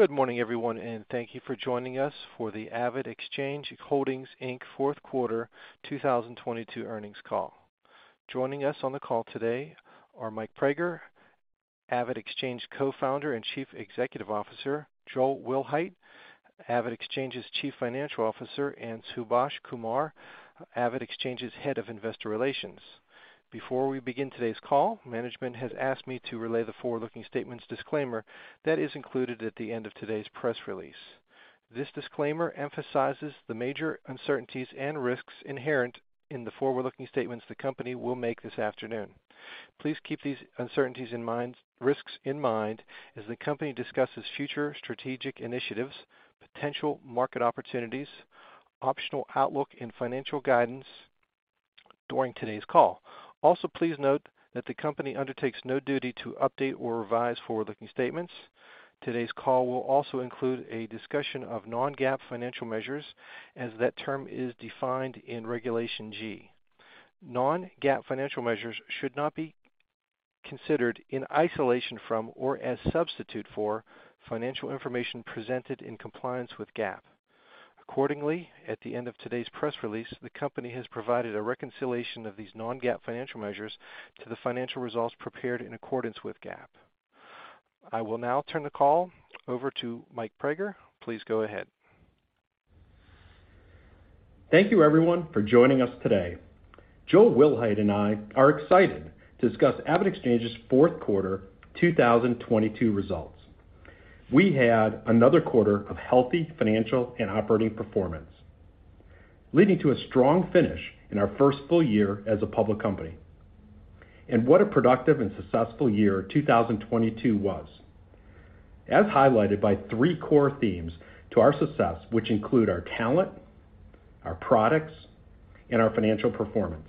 Good morning, everyone, thank you for joining us for the AvidXchange Holdings, Inc. fourth quarter 2022 earnings call. Joining us on the call today are Mike Praeger, AvidXchange Co-Founder and Chief Executive Officer, Joel Wilhite, AvidXchange's Chief Financial Officer, and Subhaash Kumar, AvidXchange's Head of Investor Relations. Before we begin today's call, management has asked me to relay the forward-looking statements disclaimer that is included at the end of today's press release. This disclaimer emphasizes the major uncertainties and risks inherent in the forward-looking statements the company will make this afternoon. Please keep these uncertainties in mind, risks in mind as the company discusses future strategic initiatives, potential market opportunities, optional outlook in financial guidance during today's call. Please note that the company undertakes no duty to update or revise forward-looking statements. Today's call will also include a discussion of non-GAAP financial measures as that term is defined in Regulation G. Non-GAAP financial measures should not be considered in isolation from or as substitute for financial information presented in compliance with GAAP. Accordingly, at the end of today's press release, the company has provided a reconciliation of these non-GAAP financial measures to the financial results prepared in accordance with GAAP. I will now turn the call over to Mike Praeger. Please go ahead. Thank you everyone for joining us today. Joel Wilhite and I are excited to discuss AvidXchange's fourth quarter 2022 results. We had another quarter of healthy financial and operating performance, leading to a strong finish in our first full year as a public company. What a productive and successful year 2022 was, as highlighted by three core themes to our success, which include our talent, our products, and our financial performance.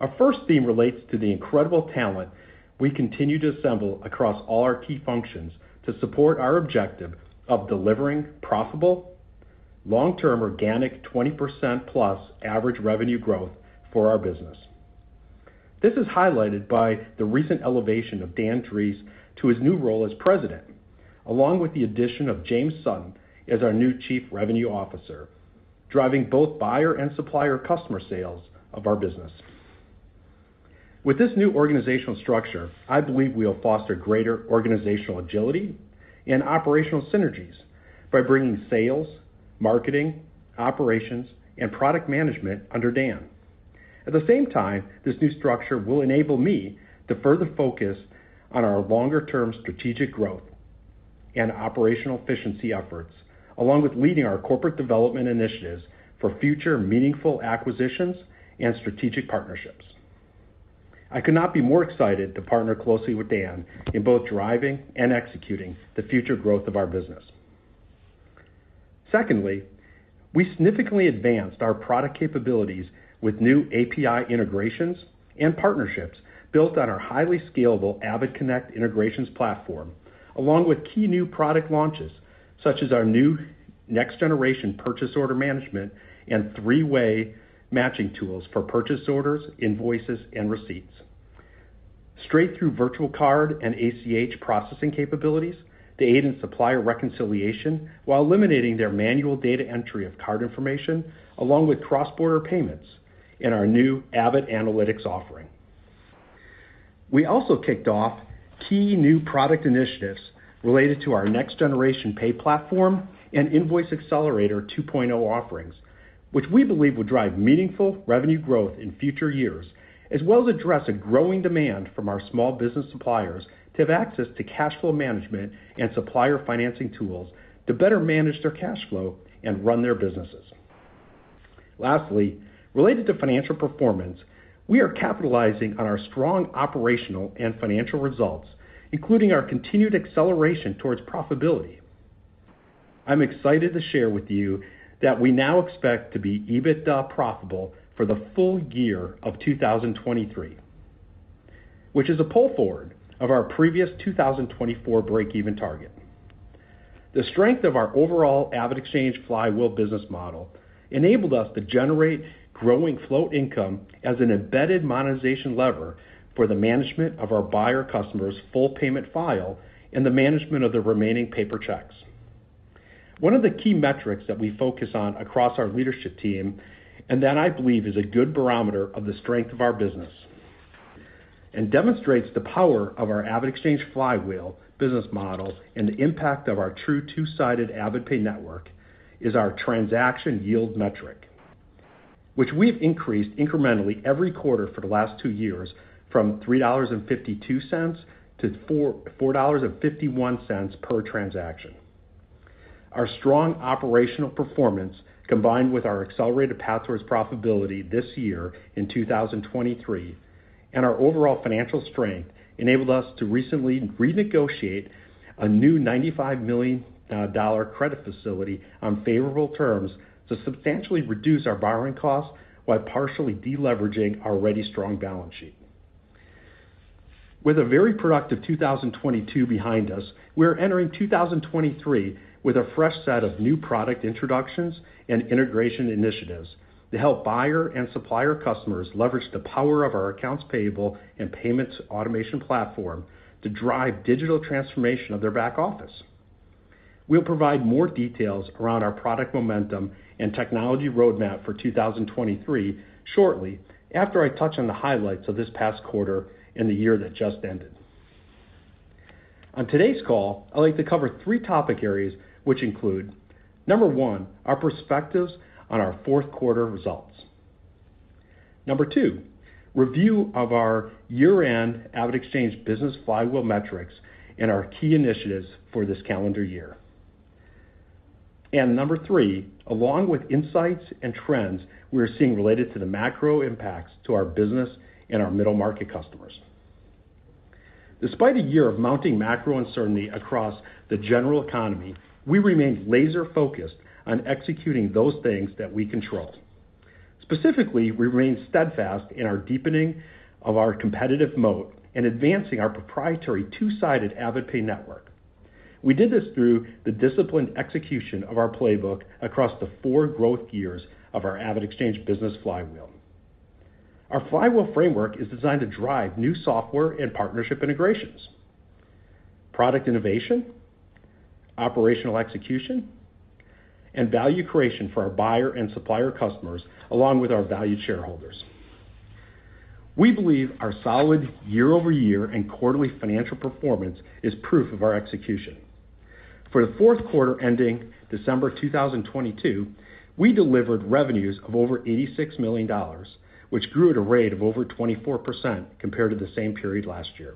Our first theme relates to the incredible talent we continue to assemble across all our key functions to support our objective of delivering profitable long-term organic 20%+ average revenue growth for our business. This is highlighted by the recent elevation of Dan Drees to his new role as President, along with the addition of James Sutton as our new Chief Revenue Officer, driving both buyer and supplier customer sales of our business. With this new organizational structure, I believe we'll foster greater organizational agility and operational synergies by bringing sales, marketing, operations, and product management under Dan. At the same time, this new structure will enable me to further focus on our longer-term strategic growth and operational efficiency efforts, along with leading our corporate development initiatives for future meaningful acquisitions and strategic partnerships. I could not be more excited to partner closely with Dan in both driving and executing the future growth of our business. Secondly, we significantly advanced our product capabilities with new API integrations and partnerships built on our highly scalable AvidConnect integrations platform, along with key new product launches, such as our new next generation purchase order management and three-way matching tools for purchase orders, invoices, and receipts, straight through virtual card and ACH processing capabilities to aid in supplier reconciliation while eliminating their manual data entry of card information, along with cross-border payments in our new AvidAnalytics offering. We also kicked off key new product initiatives related to our next generation pay platform and Invoice Accelerator 2.0 offerings, which we believe will drive meaningful revenue growth in future years, as well as address a growing demand from our small business suppliers to have access to cash flow management and supplier financing tools to better manage their cash flow and run their businesses. Lastly, related to financial performance, we are capitalizing on our strong operational and financial results, including our continued acceleration towards profitability. I'm excited to share with you that we now expect to be EBITDA profitable for the full year of 2023, which is a pull forward of our previous 2024 breakeven target. The strength of our overall AvidXchange flywheel business model enabled us to generate growing float income as an embedded monetization lever for the management of our buyer customers' full payment file and the management of the remaining paper checks. One of the key metrics that we focus on across our leadership team, that I believe is a good barometer of the strength of our business and demonstrates the power of our AvidXchange flywheel business model and the impact of our true two-sided AvidPay network, is our transaction yield metric, which we've increased incrementally every quarter for the last two years from $3.52 to $4.51 per transaction. Our strong operational performance, combined with our accelerated path towards profitability this year in 2023 and our overall financial strength, enabled us to recently renegotiate a new $95 million dollar credit facility on favorable terms to substantially reduce our borrowing costs while partially de-leveraging our already strong balance sheet. With a very productive 2022 behind us, we're entering 2023 with a fresh set of new product introductions and integration initiatives to help buyer and supplier customers leverage the power of our accounts payable and payments automation platform to drive digital transformation of their back office. We'll provide more details around our product momentum and technology roadmap for 2023 shortly after I touch on the highlights of this past quarter and the year that just ended. On today's call, I'd like to cover three topic areas which include, number 1, our perspectives on our fourth quarter results. Number 2, review of our year-end AvidXchange business flywheel metrics and our key initiatives for this calendar year. Number 3, along with insights and trends we are seeing related to the macro impacts to our business and our middle-market customers. Despite a year of mounting macro uncertainty across the general economy, we remain laser-focused on executing those things that we control. Specifically, we remain steadfast in our deepening of our competitive moat and advancing our proprietary two-sided AvidPay network. We did this through the disciplined execution of our playbook across the four growth gears of our AvidXchange business flywheel. Our flywheel framework is designed to drive new software and partnership integrations, product innovation, operational execution, and value creation for our buyer and supplier customers, along with our valued shareholders. We believe our solid year-over-year and quarterly financial performance is proof of our execution. For the fourth quarter ending December 2022, we delivered revenues of over $86 million, which grew at a rate of over 24% compared to the same period last year.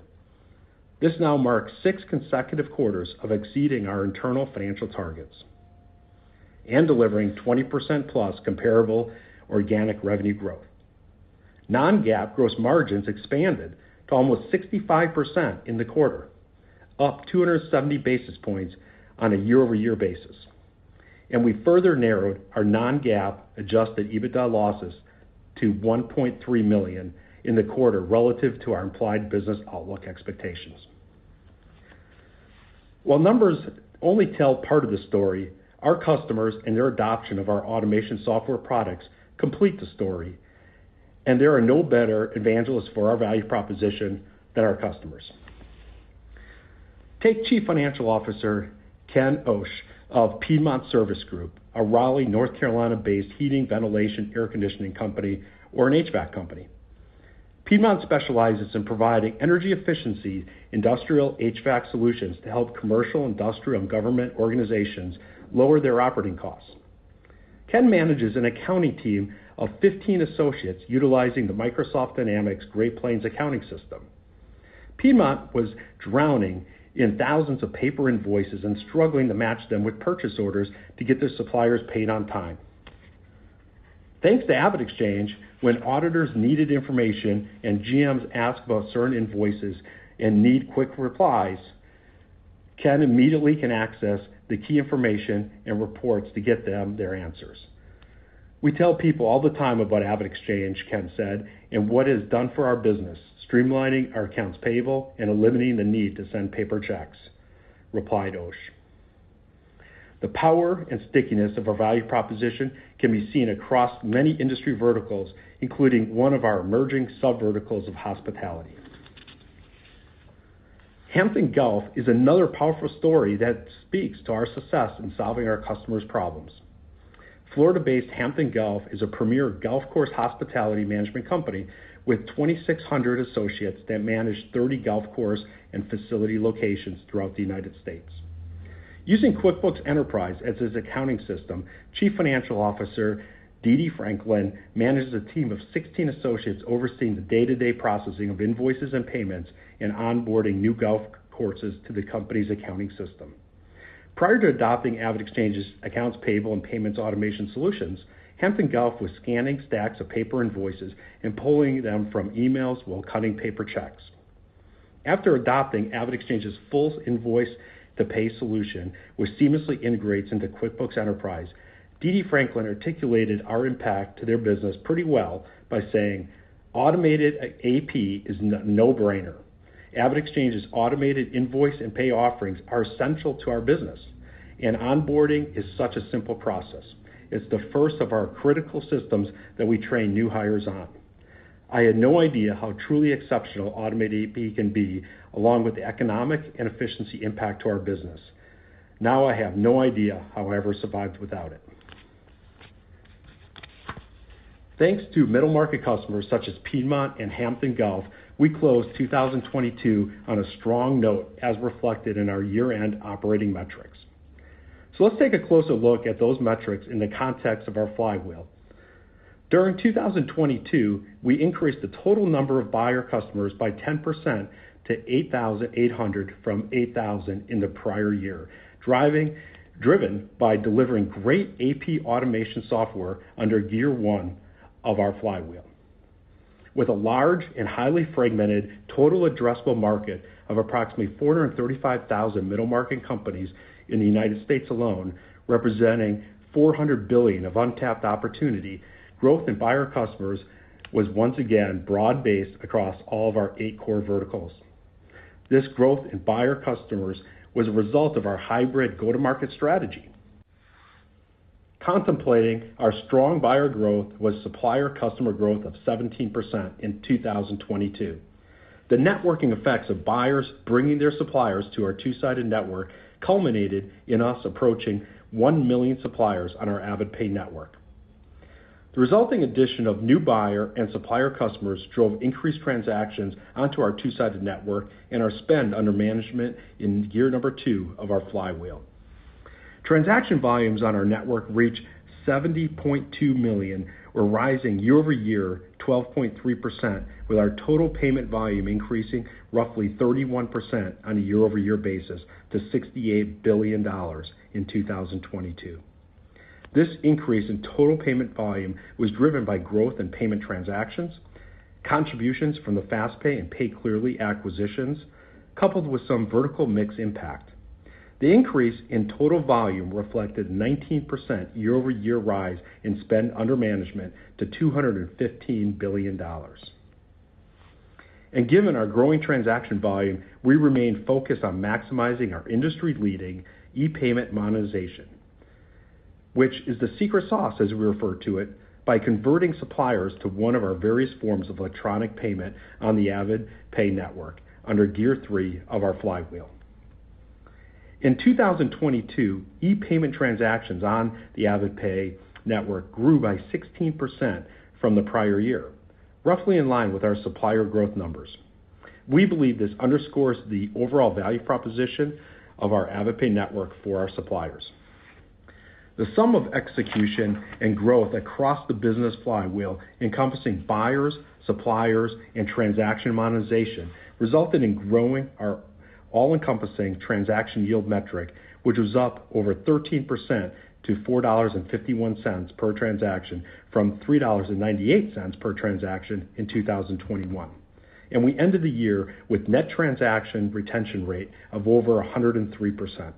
This now marks six consecutive quarters of exceeding our internal financial targets and delivering 20%+ comparable organic revenue growth. Non-GAAP gross margins expanded to almost 65% in the quarter, up 270 basis points on a year-over-year basis. We further narrowed our non-GAAP adjusted EBITDA losses to $1.3 million in the quarter relative to our implied business outlook expectations. While numbers only tell part of the story, our customers and their adoption of our automation software products complete the story, and there are no better evangelists for our value proposition than our customers. Take Chief Financial Officer Ken Oesch of Piedmont Service Group, a Raleigh, North Carolina-based heating, ventilation, air conditioning company or an HVAC company. Piedmont specializes in providing energy efficiency industrial HVAC solutions to help commercial, industrial, and government organizations lower their operating costs. Ken manages an accounting team of 15 associates utilizing the Microsoft Dynamics GP accounting system. Piedmont was drowning in thousands of paper invoices and struggling to match them with purchase orders to get their suppliers paid on time. Thanks to AvidXchange, when auditors needed information and GMs ask about certain invoices and need quick replies, Ken immediately can access the key information and reports to get them their answers. "We tell people all the time about AvidXchange," Ken said, "and what is done for our business, streamlining our accounts payable and eliminating the need to send paper checks," replied Oesch. The power and stickiness of our value proposition can be seen across many industry verticals, including one of our emerging subverticals of hospitality. Hampton Golf is another powerful story that speaks to our success in solving our customers' problems. Florida-based Hampton Golf is a premier golf course hospitality management company with 2,600 associates that manage 30 golf course and facility locations throughout the United States. Using QuickBooks Enterprise as its accounting system, Chief Financial Officer DeeDee Franklin manages a team of 16 associates overseeing the day-to-day processing of invoices and payments and onboarding new golf courses to the company's accounting system. Prior to adopting AvidXchange's accounts payable and payments automation solutions, Hampton Golf was scanning stacks of paper invoices and pulling them from emails while cutting paper checks. After adopting AvidXchange's full invoice-to-pay solution, which seamlessly integrates into QuickBooks Enterprise, DeeDee Franklin articulated our impact to their business pretty well by saying, "Automated AP is no-brainer. AvidXchange's automated invoice and pay offerings are essential to our business, and onboarding is such a simple process. It's the first of our critical systems that we train new hires on. I had no idea how truly exceptional automated AP can be, along with the economic and efficiency impact to our business. Now I have no idea how I ever survived without it." Thanks to middle-market customers such as Piedmont and Hampton Golf, we closed 2022 on a strong note, as reflected in our year-end operating metrics. Let's take a closer look at those metrics in the context of our flywheel. During 2022, we increased the total number of buyer customers by 10% to 8,800 from 8,000 in the prior year, driven by delivering great AP automation software under year one of our flywheel. With a large and highly fragmented total addressable market of approximately 435,000 middle-market companies in the United States alone, representing $400 billion of untapped opportunity, growth in buyer customers was once again broad-based across all of our 8 core verticals. This growth in buyer customers was a result of our hybrid go-to-market strategy. Contemplating our strong buyer growth was supplier customer growth of 17% in 2022. The networking effects of buyers bringing their suppliers to our two-sided network culminated in us approaching 1 million suppliers on our AvidPay network. The resulting addition of new buyer and supplier customers drove increased transactions onto our two-sided network and our spend under management in year 2 of our flywheel. Transaction volumes on our network reached 70.2 million or rising year-over-year 12.3%, with our total payment volume increasing roughly 31% on a year-over-year basis to $68 billion in 2022. This increase in total payment volume was driven by growth in payment transactions, contributions from the FastPay and PayClearly acquisitions, coupled with some vertical mix impact. The increase in total volume reflected 19% year-over-year rise in spend under management to $215 billion. Given our growing transaction volume, we remain focused on maximizing our industry-leading e-payment monetization, which is the secret sauce, as we refer to it, by converting suppliers to one of our various forms of electronic payment on the AvidPay network under gear 3 of our flywheel. In 2022, e-payment transactions on the AvidPay network grew by 16% from the prior year, roughly in line with our supplier growth numbers. We believe this underscores the overall value proposition of our AvidPay network for our suppliers. The sum of execution and growth across the business flywheel encompassing buyers, suppliers, and transaction monetization resulted in growing our all-encompassing transaction yield metric, which was up over 13% to $4.51 per transaction from $3.98 per transaction in 2021. We ended the year with net transaction retention rate of over 103%.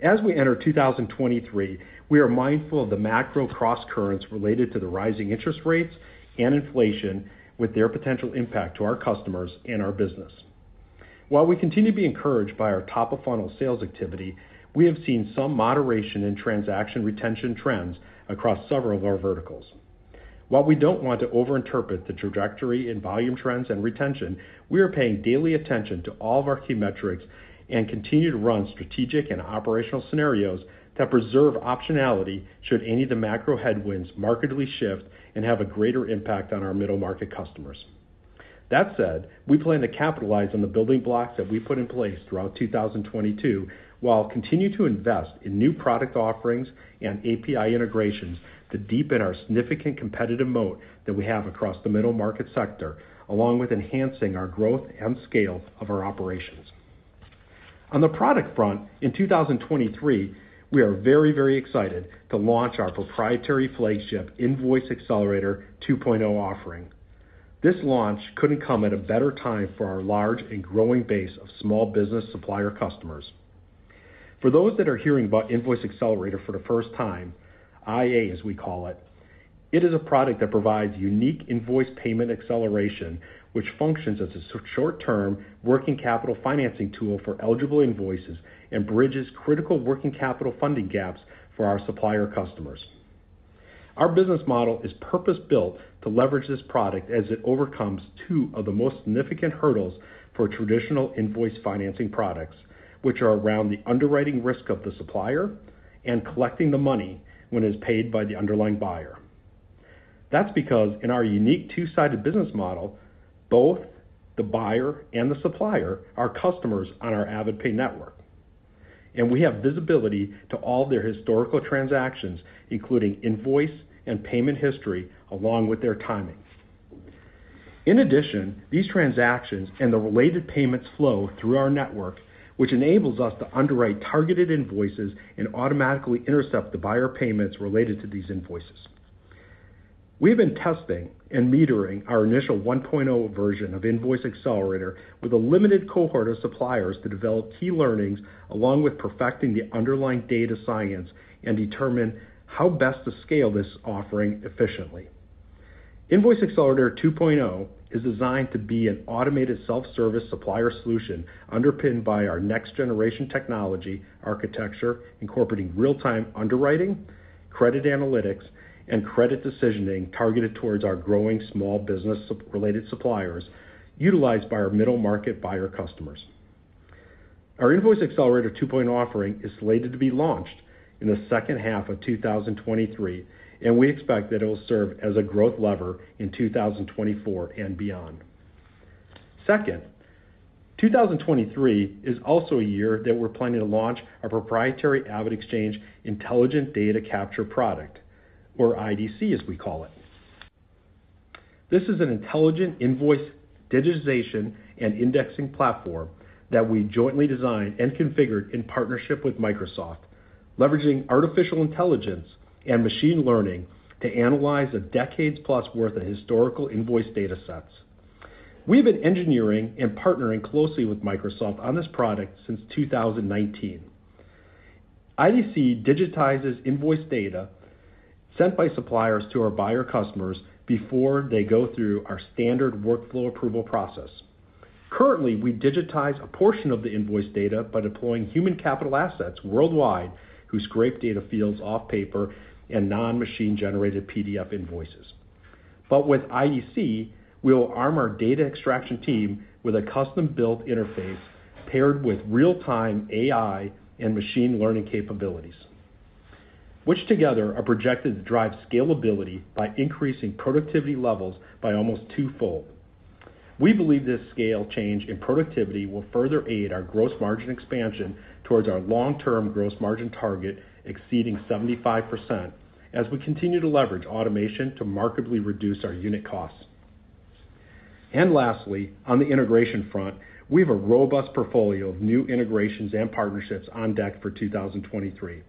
As we enter 2023, we are mindful of the macro crosscurrents related to the rising interest rates and inflation with their potential impact to our customers and our business. While we continue to be encouraged by our top-of-funnel sales activity, we have seen some moderation in transaction retention trends across several of our verticals. While we don't want to overinterpret the trajectory in volume trends and retention, we are paying daily attention to all of our key metrics and continue to run strategic and operational scenarios that preserve optionality should any of the macro headwinds markedly shift and have a greater impact on our middle-market customers. That said, we plan to capitalize on the building blocks that we put in place throughout 2022, while continue to invest in new product offerings and API integrations to deepen our significant competitive moat that we have across the middle market sector, along with enhancing our growth and scale of our operations. On the product front, in 2023, we are very, very excited to launch our proprietary flagship Invoice Accelerator 2.0 offering. This launch couldn't come at a better time for our large and growing base of small business supplier customers. For those that are hearing about Invoice Accelerator for the first time, IA, as we call it is a product that provides unique invoice payment acceleration, which functions as a short-term working capital financing tool for eligible invoices and bridges critical working capital funding gaps for our supplier customers. Our business model is purpose-built to leverage this product as it overcomes two of the most significant hurdles for traditional invoice financing products, which are around the underwriting risk of the supplier and collecting the money when it is paid by the underlying buyer. That's because in our unique two-sided business model, both the buyer and the supplier are customers on our AvidPay network. We have visibility to all their historical transactions, including invoice and payment history, along with their timing. In addition, these transactions and the related payments flow through our network, which enables us to underwrite targeted invoices and automatically intercept the buyer payments related to these invoices. We've been testing and metering our initial 1.0 version of Invoice Accelerator with a limited cohort of suppliers to develop key learnings along with perfecting the underlying data science and determine how best to scale this offering efficiently. Invoice Accelerator 2.0 is designed to be an automated self-service supplier solution underpinned by our next generation technology architecture, incorporating real-time underwriting, credit analytics, and credit decisioning targeted towards our growing small business related suppliers utilized by our middle market buyer customers. Our Invoice Accelerator 2.0 offering is slated to be launched in the second half of 2023. We expect that it will serve as a growth lever in 2024 and beyond. Second, 2023 is also a year that we're planning to launch our proprietary AvidXchange Intelligent Data Capture product, or IDC, as we call it. This is an intelligent invoice digitization and indexing platform that we jointly designed and configured in partnership with Microsoft, leveraging artificial intelligence and machine learning to analyze a decades-plus worth of historical invoice data sets. We've been engineering and partnering closely with Microsoft on this product since 2019. IDC digitizes invoice data sent by suppliers to our buyer customers before they go through our standard workflow approval process. Currently, we digitize a portion of the invoice data by deploying human capital assets worldwide, who scrape data fields off paper and non-machine generated PDF invoices. With IDC, we'll arm our data extraction team with a custom-built interface paired with real-time AI and machine learning capabilities, which together are projected to drive scalability by increasing productivity levels by almost 2-fold. We believe this scale change in productivity will further aid our gross margin expansion towards our long-term gross margin target exceeding 75%, as we continue to leverage automation to markedly reduce our unit costs. Lastly, on the integration front, we have a robust portfolio of new integrations and partnerships on deck for 2023.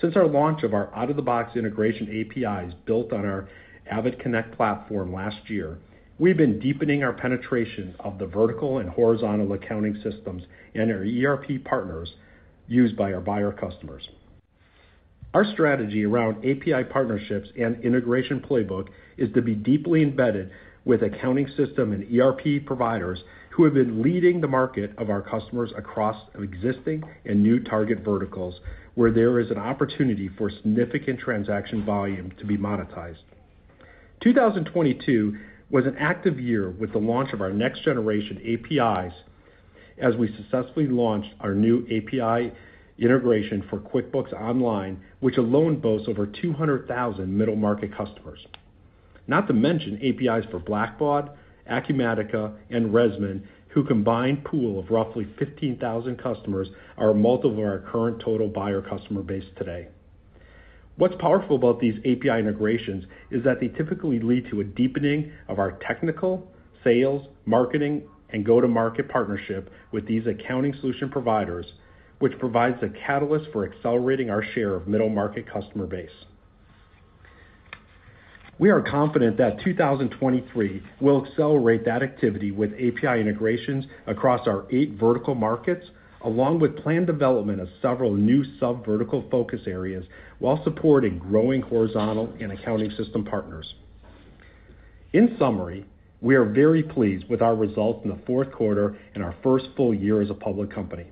Since our launch of our out-of-the-box integration APIs built on our AvidConnect platform last year, we've been deepening our penetration of the vertical and horizontal accounting systems and our ERP partners used by our buyer customers. Our strategy around API partnerships and integration playbook is to be deeply embedded with accounting system and ERP providers who have been leading the market of our customers across existing and new target verticals, where there is an opportunity for significant transaction volume to be monetized. 2022 was an active year with the launch of our next generation APIs as we successfully launched our new API integration for QuickBooks Online, which alone boasts over 200,000 middle-market customers. Not to mention APIs for Blackbaud, Acumatica, and ResMan, who combined pool of roughly 15,000 customers are multiple of our current total buyer customer base today. What's powerful about these API integrations is that they typically lead to a deepening of our technical, sales, marketing, and go-to-market partnership with these accounting solution providers, which provides the catalyst for accelerating our share of middle-market customer base. We are confident that 2023 will accelerate that activity with API integrations across our eight vertical markets, along with planned development of several new sub-vertical focus areas, while supporting growing horizontal and accounting system partners. In summary, we are very pleased with our results in the fourth quarter and our first full year as a public company.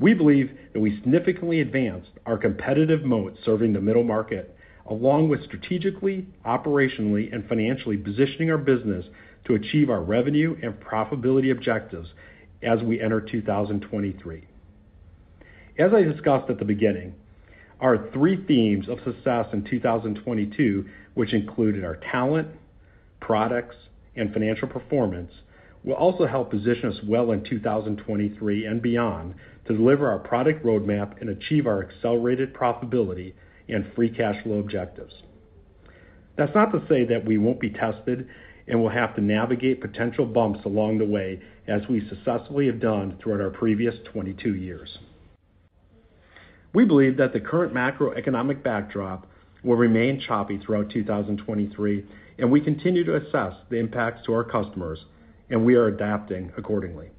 We believe that we significantly advanced our competitive moat serving the middle market, along with strategically, operationally, and financially positioning our business to achieve our revenue and profitability objectives as we enter 2023. As I discussed at the beginning, our three themes of success in 2022, which included our talent, products, and financial performance, will also help position us well in 2023 and beyond to deliver our product roadmap and achieve our accelerated profitability and free cash flow objectives. That's not to say that we won't be tested and we'll have to navigate potential bumps along the way as we successfully have done throughout our previous 22 years. We believe that the current macroeconomic backdrop will remain choppy throughout 2023, and we continue to assess the impacts to our customers, and we are adapting accordingly.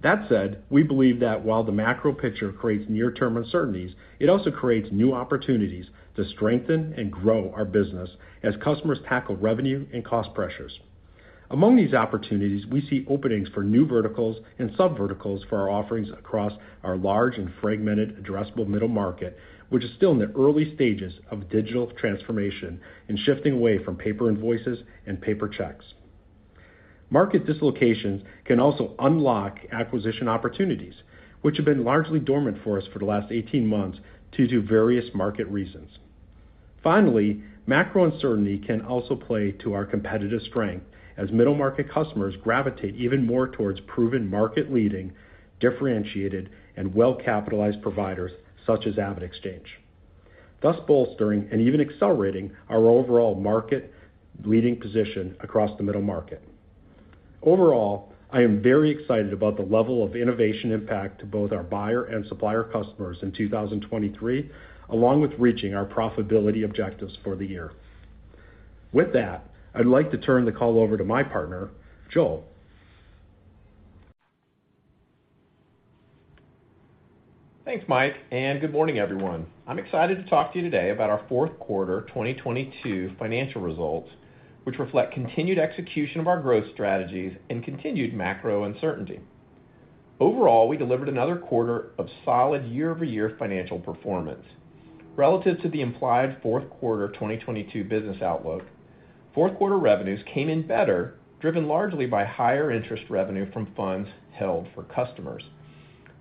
That said, we believe that while the macro picture creates near-term uncertainties, it also creates new opportunities to strengthen and grow our business as customers tackle revenue and cost pressures. Among these opportunities, we see openings for new verticals and sub-verticals for our offerings across our large and fragmented addressable middle market, which is still in the early stages of digital transformation and shifting away from paper invoices and paper checks. Market dislocations can also unlock acquisition opportunities, which have been largely dormant for us for the last 18 months due to various market reasons. Finally, macro uncertainty can also play to our competitive strength as middle market customers gravitate even more towards proven market leading, differentiated, and well-capitalized providers such as AvidXchange, thus bolstering and even accelerating our overall market leading position across the middle market. Overall, I am very excited about the level of innovation impact to both our buyer and supplier customers in 2023, along with reaching our profitability objectives for the year. With that, I'd like to turn the call over to my partner, Joel. Thanks, Mike. Good morning, everyone. I'm excited to talk to you today about our fourth quarter 2022 financial results, which reflect continued execution of our growth strategies and continued macro uncertainty. Overall, we delivered another quarter of solid year-over-year financial performance. Relative to the implied fourth quarter 2022 business outlook, fourth quarter revenues came in better, driven largely by higher interest revenue from funds held for customers.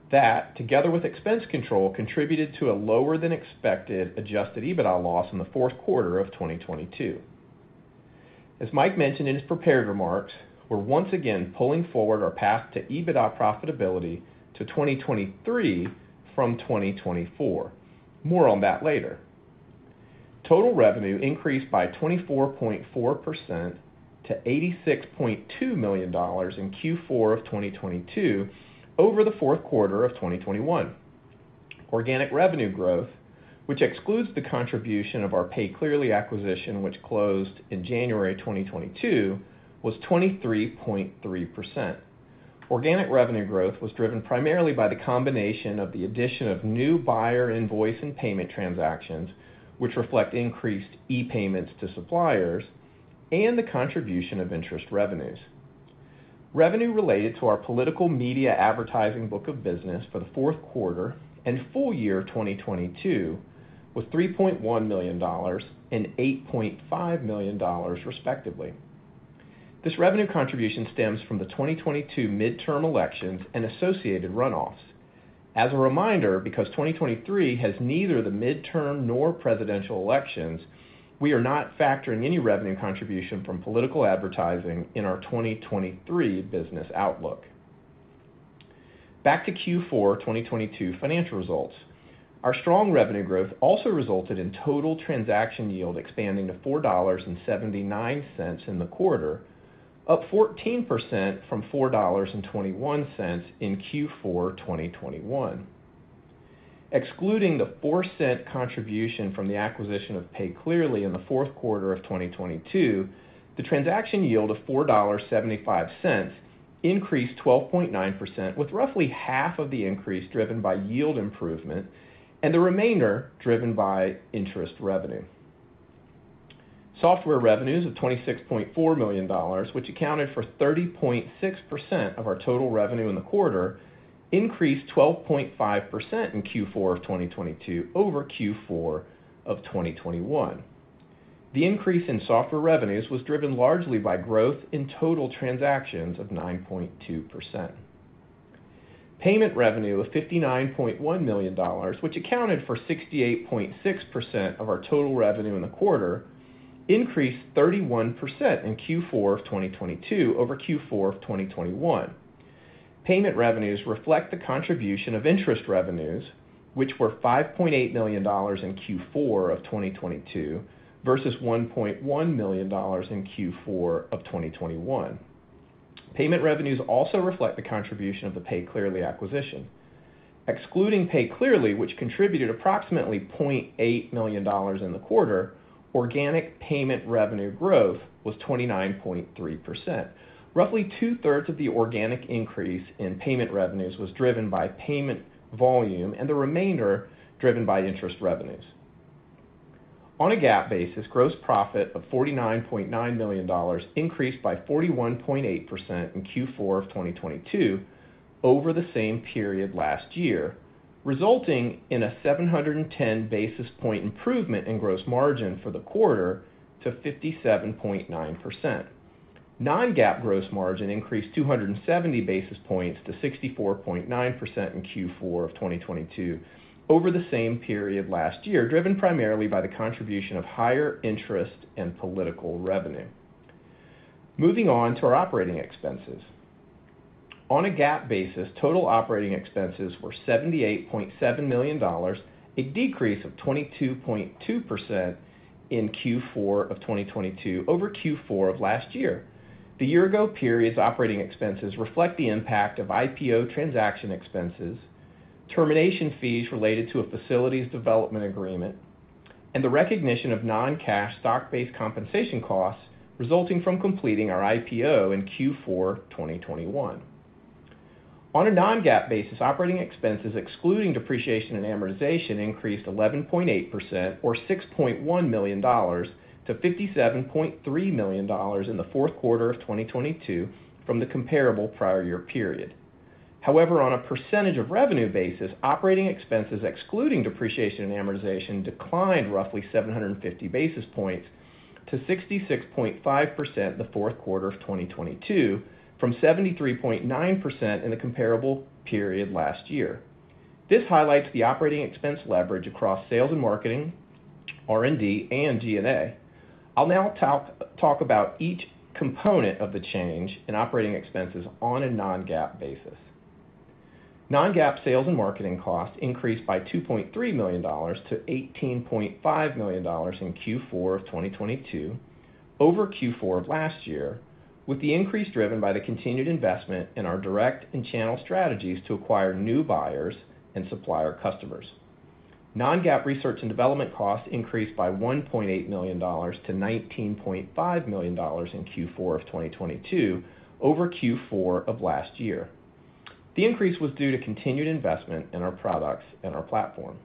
That, together with expense control, contributed to a lower than expected adjusted EBITDA loss in the fourth quarter of 2022. As Mike mentioned in his prepared remarks, we're once again pulling forward our path to EBITDA profitability to 2023 from 2024. More on that later. Total revenue increased by 24.4% to $86.2 million in Q4 of 2022 over the fourth quarter of 2021. Organic revenue growth, which excludes the contribution of our PayClearly acquisition, which closed in January 2022, was 23.3%. Organic revenue growth was driven primarily by the combination of the addition of new buyer invoice and payment transactions, which reflect increased e-payments to suppliers and the contribution of interest revenues. Revenue related to our political media advertising book of business for the fourth quarter and full year 2022 was $3.1 million and $8.5 million respectively. This revenue contribution stems from the 2022 midterm elections and associated runoffs. As a reminder, because 2023 has neither the midterm nor presidential elections, we are not factoring any revenue contribution from political advertising in our 2023 business outlook. Back to Q4 2022 financial results. Our strong revenue growth also resulted in total transaction yield expanding to $4.79 in the quarter, up 14% from $4.21 in Q4 2021. Excluding the $0.04 contribution from the acquisition of PayClearly in the fourth quarter of 2022, the transaction yield of $4.75 increased 12.9% with roughly half of the increase driven by yield improvement and the remainder driven by interest revenue. Software revenues of $26.4 million, which accounted for 30.6% of our total revenue in the quarter, increased 12.5% in Q4 of 2022 over Q4 of 2021. The increase in software revenues was driven largely by growth in total transactions of 9.2%. Payment revenue of $59.1 million, which accounted for 68.6% of our total revenue in the quarter, increased 31% in Q4 of 2022 over Q4 of 2021. Payment revenues reflect the contribution of interest revenues, which were $5.8 million in Q4 of 2022 versus $1.1 million in Q4 of 2021. Payment revenues also reflect the contribution of the PayClearly acquisition. Excluding PayClearly, which contributed approximately $0.8 million in the quarter, organic payment revenue growth was 29.3%. Roughly two-thirds of the organic increase in payment revenues was driven by payment volume and the remainder driven by interest revenues. On a GAAP basis, gross profit of $49.9 million increased by 41.8% in Q4 of 2022 over the same period last year, resulting in a 710 basis point improvement in gross margin for the quarter to 57.9%. Non-GAAP gross margin increased 270 basis points to 64.9% in Q4 of 2022 over the same period last year, driven primarily by the contribution of higher interest and political revenue. Moving on to our operating expenses. On a GAAP basis, total operating expenses were $78.7 million, a decrease of 22.2% in Q4 of 2022 over Q4 of last year. The year ago period's operating expenses reflect the impact of IPO transaction expenses, termination fees related to a facilities development agreement, and the recognition of non-cash stock-based compensation costs resulting from completing our IPO in Q4 2021. On a non-GAAP basis, operating expenses excluding depreciation and amortization increased 11.8% or $6.1 million to $57.3 million in the fourth quarter of 2022 from the comparable prior year period. However, on a percentage of revenue basis, operating expenses excluding depreciation and amortization declined roughly 750 basis points to 66.5% the fourth quarter of 2022 from 73.9% in the comparable period last year. This highlights the operating expense leverage across sales and marketing, R&D, and G&A. I'll now talk about each component of the change in operating expenses on a non-GAAP basis. Non-GAAP sales and marketing costs increased by $2.3 million to $18.5 million in Q4 of 2022 over Q4 of last year, with the increase driven by the continued investment in our direct and channel strategies to acquire new buyers and supplier customers. Non-GAAP research and development costs increased by $1.8 million to $19.5 million in Q4 of 2022 over Q4 of last year. The increase was due to continued investment in our products and our platform.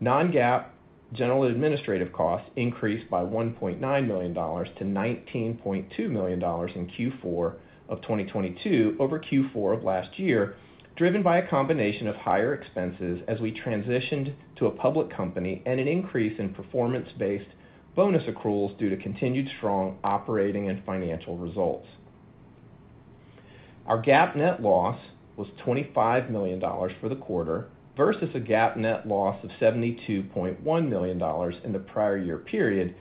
Non-GAAP general and administrative costs increased by $1.9 million to $19.2 million in Q4 2022 over Q4 of last year, driven by a combination of higher expenses as we transitioned to a public company and an increase in performance-based bonus accruals due to continued strong operating and financial results. Our GAAP net loss was $25 million for the quarter versus a GAAP net loss of $72.1 million in the prior year period,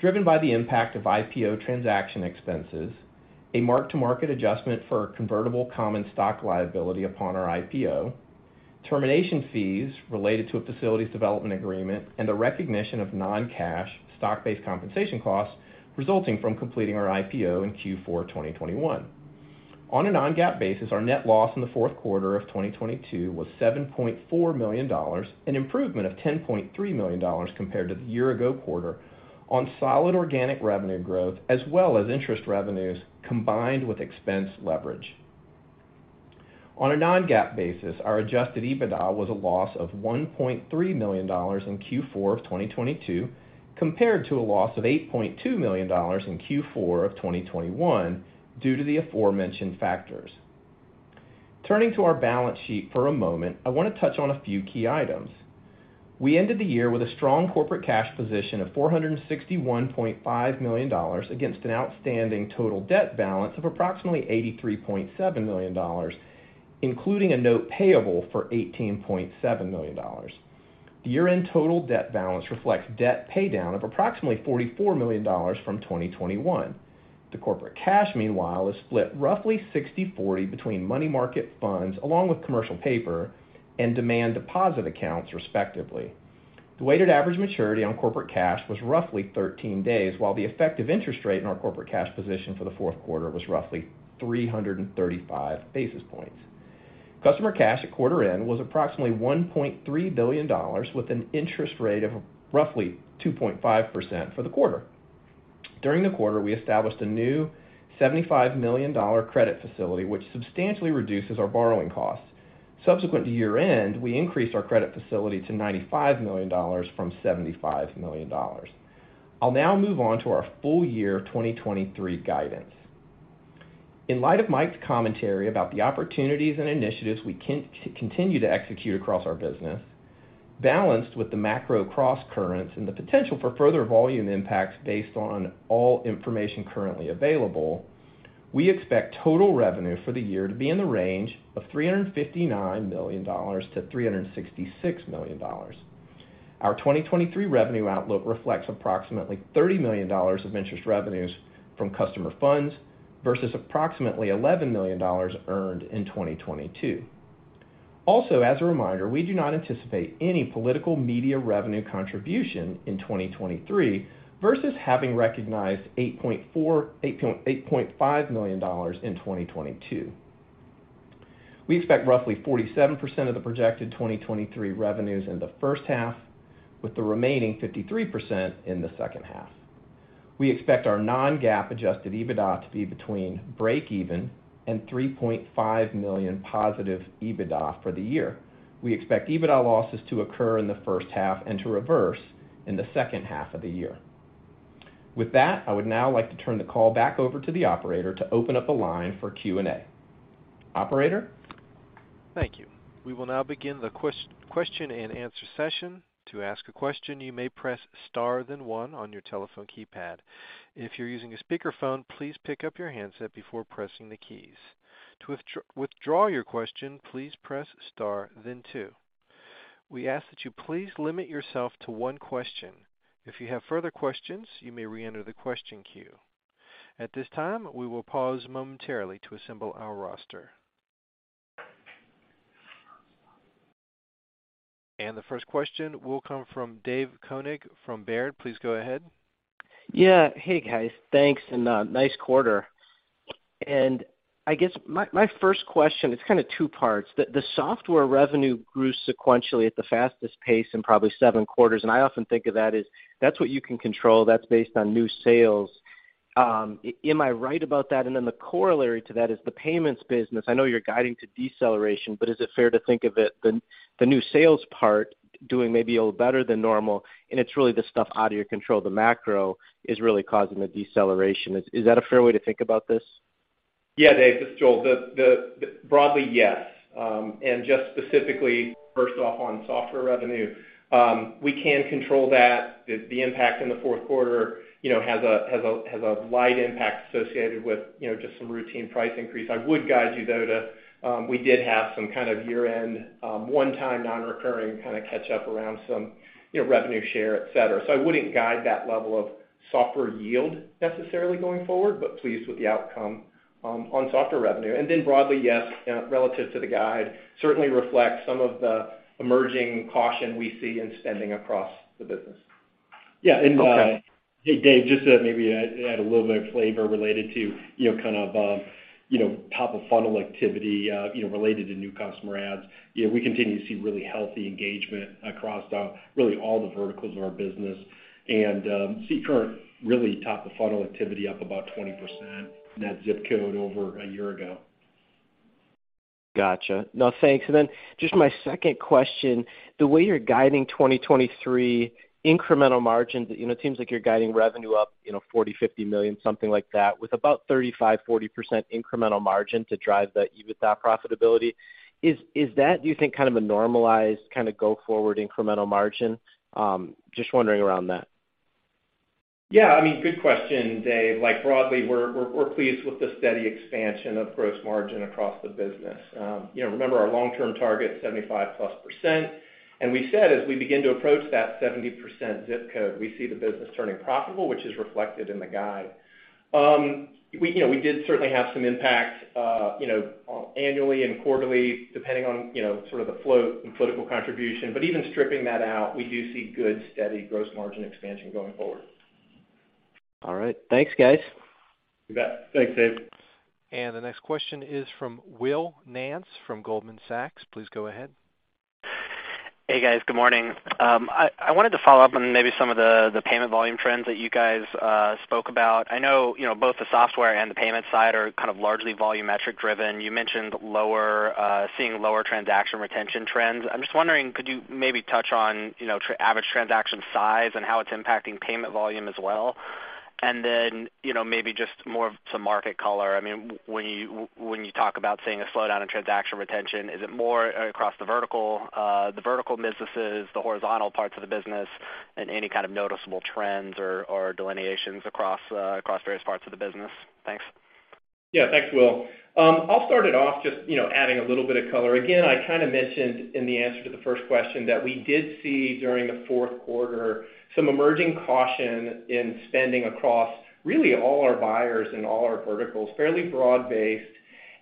driven by the impact of IPO transaction expenses, a mark-to-market adjustment for a convertible common stock liability upon our IPO, termination fees related to a facilities development agreement, and the recognition of non-cash stock-based compensation costs resulting from completing our IPO in Q4 2021. On a non-GAAP basis, our net loss in the fourth quarter of 2022 was $7.4 million, an improvement of $10.3 million compared to the year ago quarter on solid organic revenue growth as well as interest revenues combined with expense leverage. On a non-GAAP basis, our adjusted EBITDA was a loss of $1.3 million in Q4 of 2022 compared to a loss of $8.2 million in Q4 of 2021 due to the aforementioned factors. Turning to our balance sheet for a moment, I wanna touch on a few key items. We ended the year with a strong corporate cash position of $461.5 million against an outstanding total debt balance of approximately $83.7 million, including a note payable for $18.7 million. The year-end total debt balance reflects debt paydown of approximately $44 million from 2021. The corporate cash, meanwhile, is split roughly 60/40 between money market funds, along with commercial paper and demand deposit accounts, respectively. The weighted average maturity on corporate cash was roughly 13 days, while the effective interest rate in our corporate cash position for the fourth quarter was roughly 335 basis points. Customer cash at quarter end was approximately $1.3 billion, with an interest rate of roughly 2.5% for the quarter. During the quarter, we established a new $75 million credit facility, which substantially reduces our borrowing costs. Subsequent to year-end, we increased our credit facility to $95 million from $75 million. I'll now move on to our full year 2023 guidance. In light of Mike's commentary about the opportunities and initiatives we continue to execute across our business, balanced with the macro crosscurrents and the potential for further volume impacts based on all information currently available, we expect total revenue for the year to be in the range of $359 million-$366 million. Our 2023 revenue outlook reflects approximately $30 million of interest revenues from customer funds versus approximately $11 million earned in 2022. As a reminder, we do not anticipate any political media revenue contribution in 2023 versus having recognized $8.5 million in 2022. We expect roughly 47% of the projected 2023 revenues in the first half, with the remaining 53% in the second half. We expect our non-GAAP adjusted EBITDA to be between break even and $3.5 million positive EBITDA for the year. We expect EBITDA losses to occur in the first half and to reverse in the second half of the year. I would now like to turn the call back over to the operator to open up the line for Q&A. Operator? Thank you. We will now begin the question and answer session. To ask a question, you may press star then one on your telephone keypad. If you're using a speakerphone, please pick up your handset before pressing the keys. To withdraw your question, please press star then two. We ask that you please limit yourself to one question. If you have further questions, you may reenter the question queue. At this time, we will pause momentarily to assemble our roster. The first question will come from David Koning from Baird. Please go ahead. Hey, guys. Thanks, and nice quarter. I guess my first question is kinda two parts. The software revenue grew sequentially at the fastest pace in probably seven quarters, and I often think of that as that's what you can control, that's based on new sales. Am I right about that? The corollary to that is the payments business. I know you're guiding to deceleration, but is it fair to think of it, the new sales part doing maybe a little better than normal, and it's really the stuff out of your control, the macro, is really causing the deceleration. Is that a fair way to think about this? Yeah, Dave, this is Joel. Broadly, yes. And just specifically, first off, on software revenue, we can control that. The impact in the fourth quarter, you know, has a light impact associated with, you know, just some routine price increase. I would guide you, though, to. We did have some kind of year-end, one-time non-recurring kinda catch up around some, you know, revenue share, et cetera. I wouldn't guide that level of software yield necessarily going forward, but pleased with the outcome on software revenue. Broadly, yes, you know, relative to the guide, certainly reflects some of the emerging caution we see in spending across the business. Yeah. Hey, Dave, just to maybe add a little bit of flavor related to, you know, kind of, you know, top-of-funnel activity, you know, related to new customer adds. You know, we continue to see really healthy engagement across really all the verticals of our business. See current really top-of-funnel activity up about 20% net new logo over a year ago. Gotcha. No, thanks. Just my second question. The way you're guiding 2023 incremental margins, you know, it seems like you're guiding revenue up, you know, $40 million-$50 million, something like that, with about 35%-40% incremental margin to drive the EBITDA profitability. Is that, do you think, kind of a normalized kinda go forward incremental margin? Just wondering around that. Yeah, I mean, good question, Dave. Like, broadly, we're pleased with the steady expansion of gross margin across the business. You know, remember our long-term target, 75%+, and we said as we begin to approach that 70% ZIP Code, we see the business turning profitable, which is reflected in the guide. We, you know, we did certainly have some impact, you know, annually and quarterly, depending on, you know, sort of the float and political contribution. Even stripping that out, we do see good, steady gross margin expansion going forward. All right. Thanks, guys. You bet. Thanks, Dave. The next question is from Will Nance from Goldman Sachs. Please go ahead. Hey guys, good morning. I wanted to follow up on maybe some of the payment volume trends that you guys spoke about. I know, you know, both the software and the payment side are kind of largely volumetric driven. You mentioned lower, seeing lower transaction retention trends. I'm just wondering, could you maybe touch on, you know, average transaction size and how it's impacting payment volume as well? You know, maybe just more of some market color. I mean, when you talk about seeing a slowdown in transaction retention, is it more across the vertical businesses, the horizontal parts of the business, and any kind of noticeable trends or delineations across various parts of the business? Thanks. Yeah. Thanks, Will. I'll start it off just, you know, adding a little bit of color. Again, I kinda mentioned in the answer to the first question that we did see during the fourth quarter some emerging caution in spending across really all our buyers in all our verticals, fairly broad-based.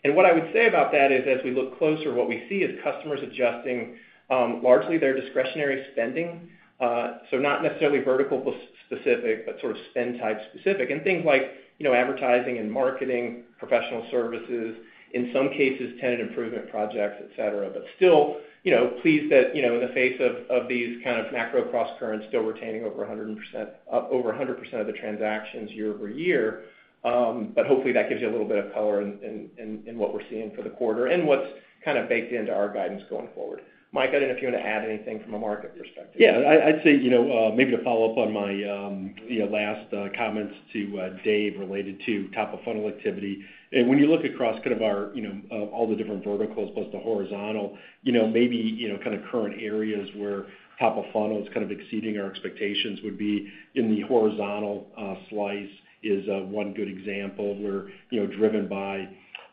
What I would say about that is, as we look closer, what we see is customers adjusting, largely their discretionary spending, not necessarily vertical specific, but sort of spend type specific. Things like, you know, advertising and marketing, professional services, in some cases, tenant improvement projects, et cetera. Still, you know, pleased that, you know, in the face of these kind of macro crosscurrents, still retaining over 100% of the transactions year-over-year. Hopefully, that gives you a little bit of color in what we're seeing for the quarter and what's kind of baked into our guidance going forward. Mike, I don't know if you wanna add anything from a market perspective. Yeah. I'd say, you know, maybe to follow up on my, you know, last comments to Dave related to top-of-funnel activity. When you look across kind of our, you know, all the different verticals plus the horizontal, you know, maybe, you know, kind of current areas where top of funnel is kind of exceeding our expectations would be in the horizontal slice is one good example. We're, you know, driven by,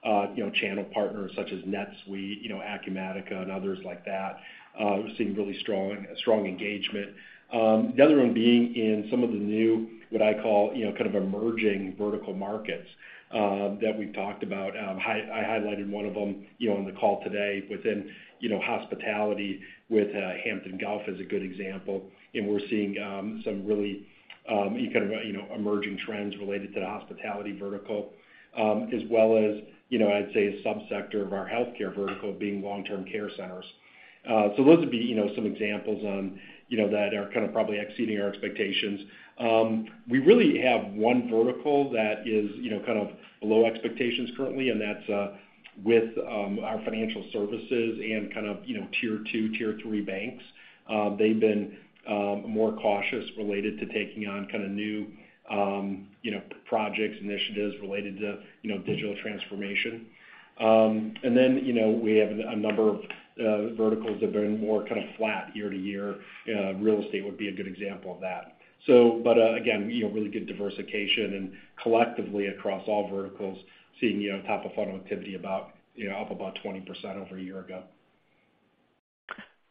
you know, channel partners such as NetSuite, you know, Acumatica, and others like that, who seem really strong engagement. The other one being in some of the new, what I call, you know, kind of emerging vertical markets that we've talked about. I highlighted one of them, you know, on the call today within, you know, hospitality with Hampton Golf is a good example. We're seeing some really kind of, you know, emerging trends related to the hospitality vertical, as well as, you know, I'd say a subsector of our healthcare vertical being long-term care centers. Those would be, you know, some examples on, you know, that are kind of probably exceeding our expectations. We really have one vertical that is, you know, kind of below expectations currently, and that's with our financial services and kind of, you know, tier two, tier three banks. They've been more cautious related to taking on kinda new, you know, projects, initiatives related to, you know, digital transformation. You know, we have a number of verticals that have been more kind of flat year-to-year. Real estate would be a good example of that. Again, you know, really good diversification and collectively across all verticals, seeing, you know, top-of-funnel activity about, you know, up about 20% over a year ago.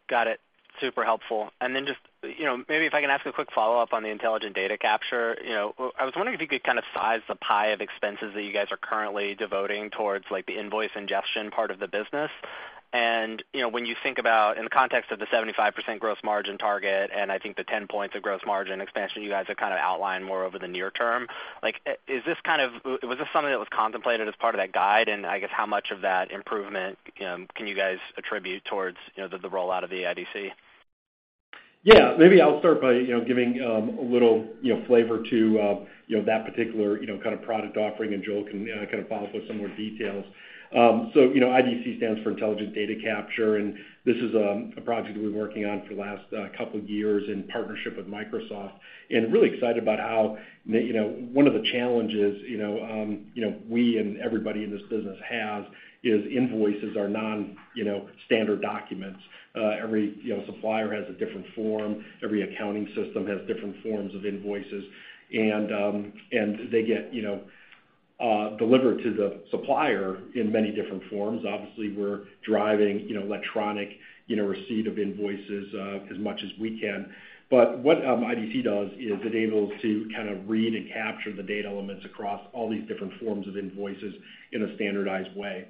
Got it. Super helpful. Just, you know, maybe if I can ask a quick follow-up on the Intelligent Data Capture. You know, I was wondering if you could kind of size the pie of expenses that you guys are currently devoting towards like the invoice ingestion part of the business. You know, when you think about, in the context of the 75% gross margin target, and I think the 10 points of gross margin expansion you guys have kind of outlined more over the near term, like, was this something that was contemplated as part of that guide? I guess how much of that improvement, can you guys attribute towards, you know, the rollout of the IDC? Yeah. Maybe I'll start by, you know, giving, a little, you know, flavor to, you know, that particular, you know, kind of product offering, Joel can, kind of follow up with some more details. IDC stands for Intelligent Data Capture, and this is, a project we've been working on for the last, couple years in partnership with Microsoft. Really excited about how, you know, one of the challenges, you know, we and everybody in this business has is invoices are non, you know, standard documents. Every, you know, supplier has a different form, every accounting system has different forms of invoices. They get, delivered to the supplier in many different forms. Obviously, we're driving, you know, electronic, receipt of invoices, as much as we can. What IDC does is it's able to kind of read and capture the data elements across all these different forms of invoices in a standardized way.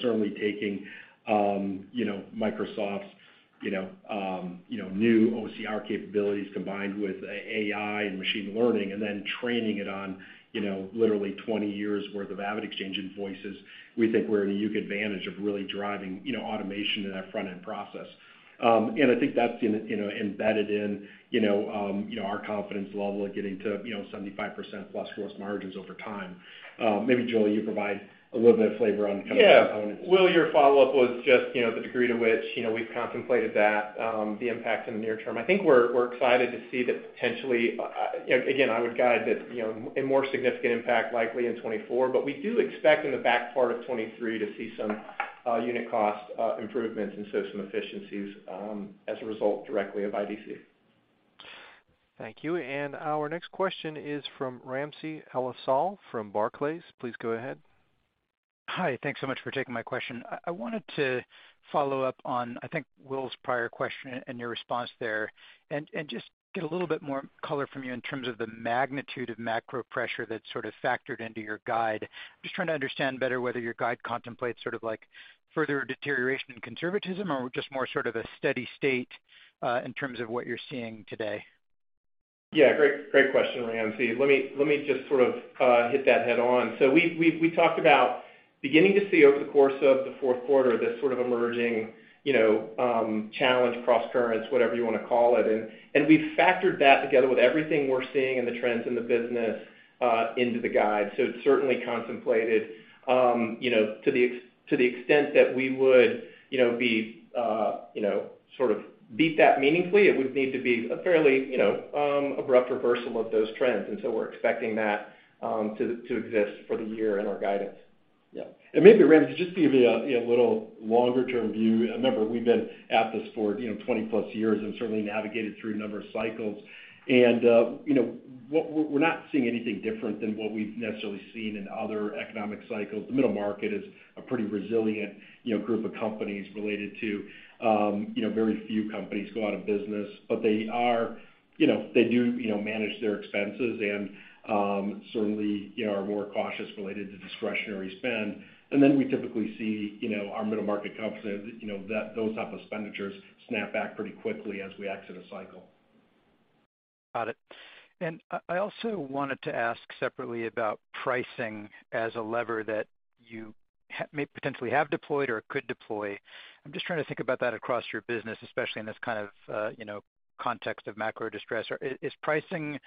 Certainly taking, you know, Microsoft's, you know, new OCR capabilities combined with AI and machine learning, and then training it on, you know, literally 20 years worth of AvidXchange invoices, we think we're in a unique advantage of really driving, you know, automation in that front-end process. And I think that's in, you know, embedded in, you know, our confidence level of getting to, you know, 75%+ gross margins over time. Maybe Joel, you provide a little bit of flavor on kind of components. Yeah. Will, your follow-up was just, you know, the degree to which, you know, we've contemplated that, the impact in the near term. I think we're excited to see that potentially, you know, again, I would guide that, you know, a more significant impact likely in 2024, but we do expect in the back part of 2023 to see some, unit cost, improvements and so some efficiencies, as a result directly of IDC. Thank you. Our next question is from Ramsey El-Assal from Barclays. Please go ahead. Hi. Thanks so much for taking my question. I wanted to follow up on, I think, Will's prior question and your response there and just get a little bit more color from you in terms of the magnitude of macro pressure that's sort of factored into your guide. Just trying to understand better whether your guide contemplates sort of like further deterioration and conservatism, or just more sort of a steady state in terms of what you're seeing today? Yeah. Great question, Ramsey. Let me just sort of hit that head on. We talked about beginning to see over the course of the fourth quarter this sort of emerging, you know, challenge, crosscurrents, whatever you wanna call it. We've factored that together with everything we're seeing in the trends in the business into the guide. It's certainly contemplated, you know, to the extent that we would, you know, be, you know, sort of beat that meaningfully, it would need to be a fairly, you know, abrupt reversal of those trends. We're expecting that to exist for the year in our guidance. Yeah. Maybe, Ramsey, just to give you a, you know, little longer term view. Remember, we've been at this for, you know, 20 plus years and certainly navigated through a number of cycles. you know, we're not seeing anything different than what we've necessarily seen in other economic cycles. The middle market is a pretty resilient, you know, group of companies related to, you know, very few companies go out of business. They are, you know, they do, you know, manage their expenses and, certainly, you know, are more cautious related to discretionary spend. Then we typically see, you know, our middle market companies, you know, those type of expenditures snap back pretty quickly as we exit a cycle. Got it. I also wanted to ask separately about pricing as a lever that you may potentially have deployed or could deploy. I'm just trying to think about that across your business, especially in this kind of, you know, context of macro distress. Is pricing?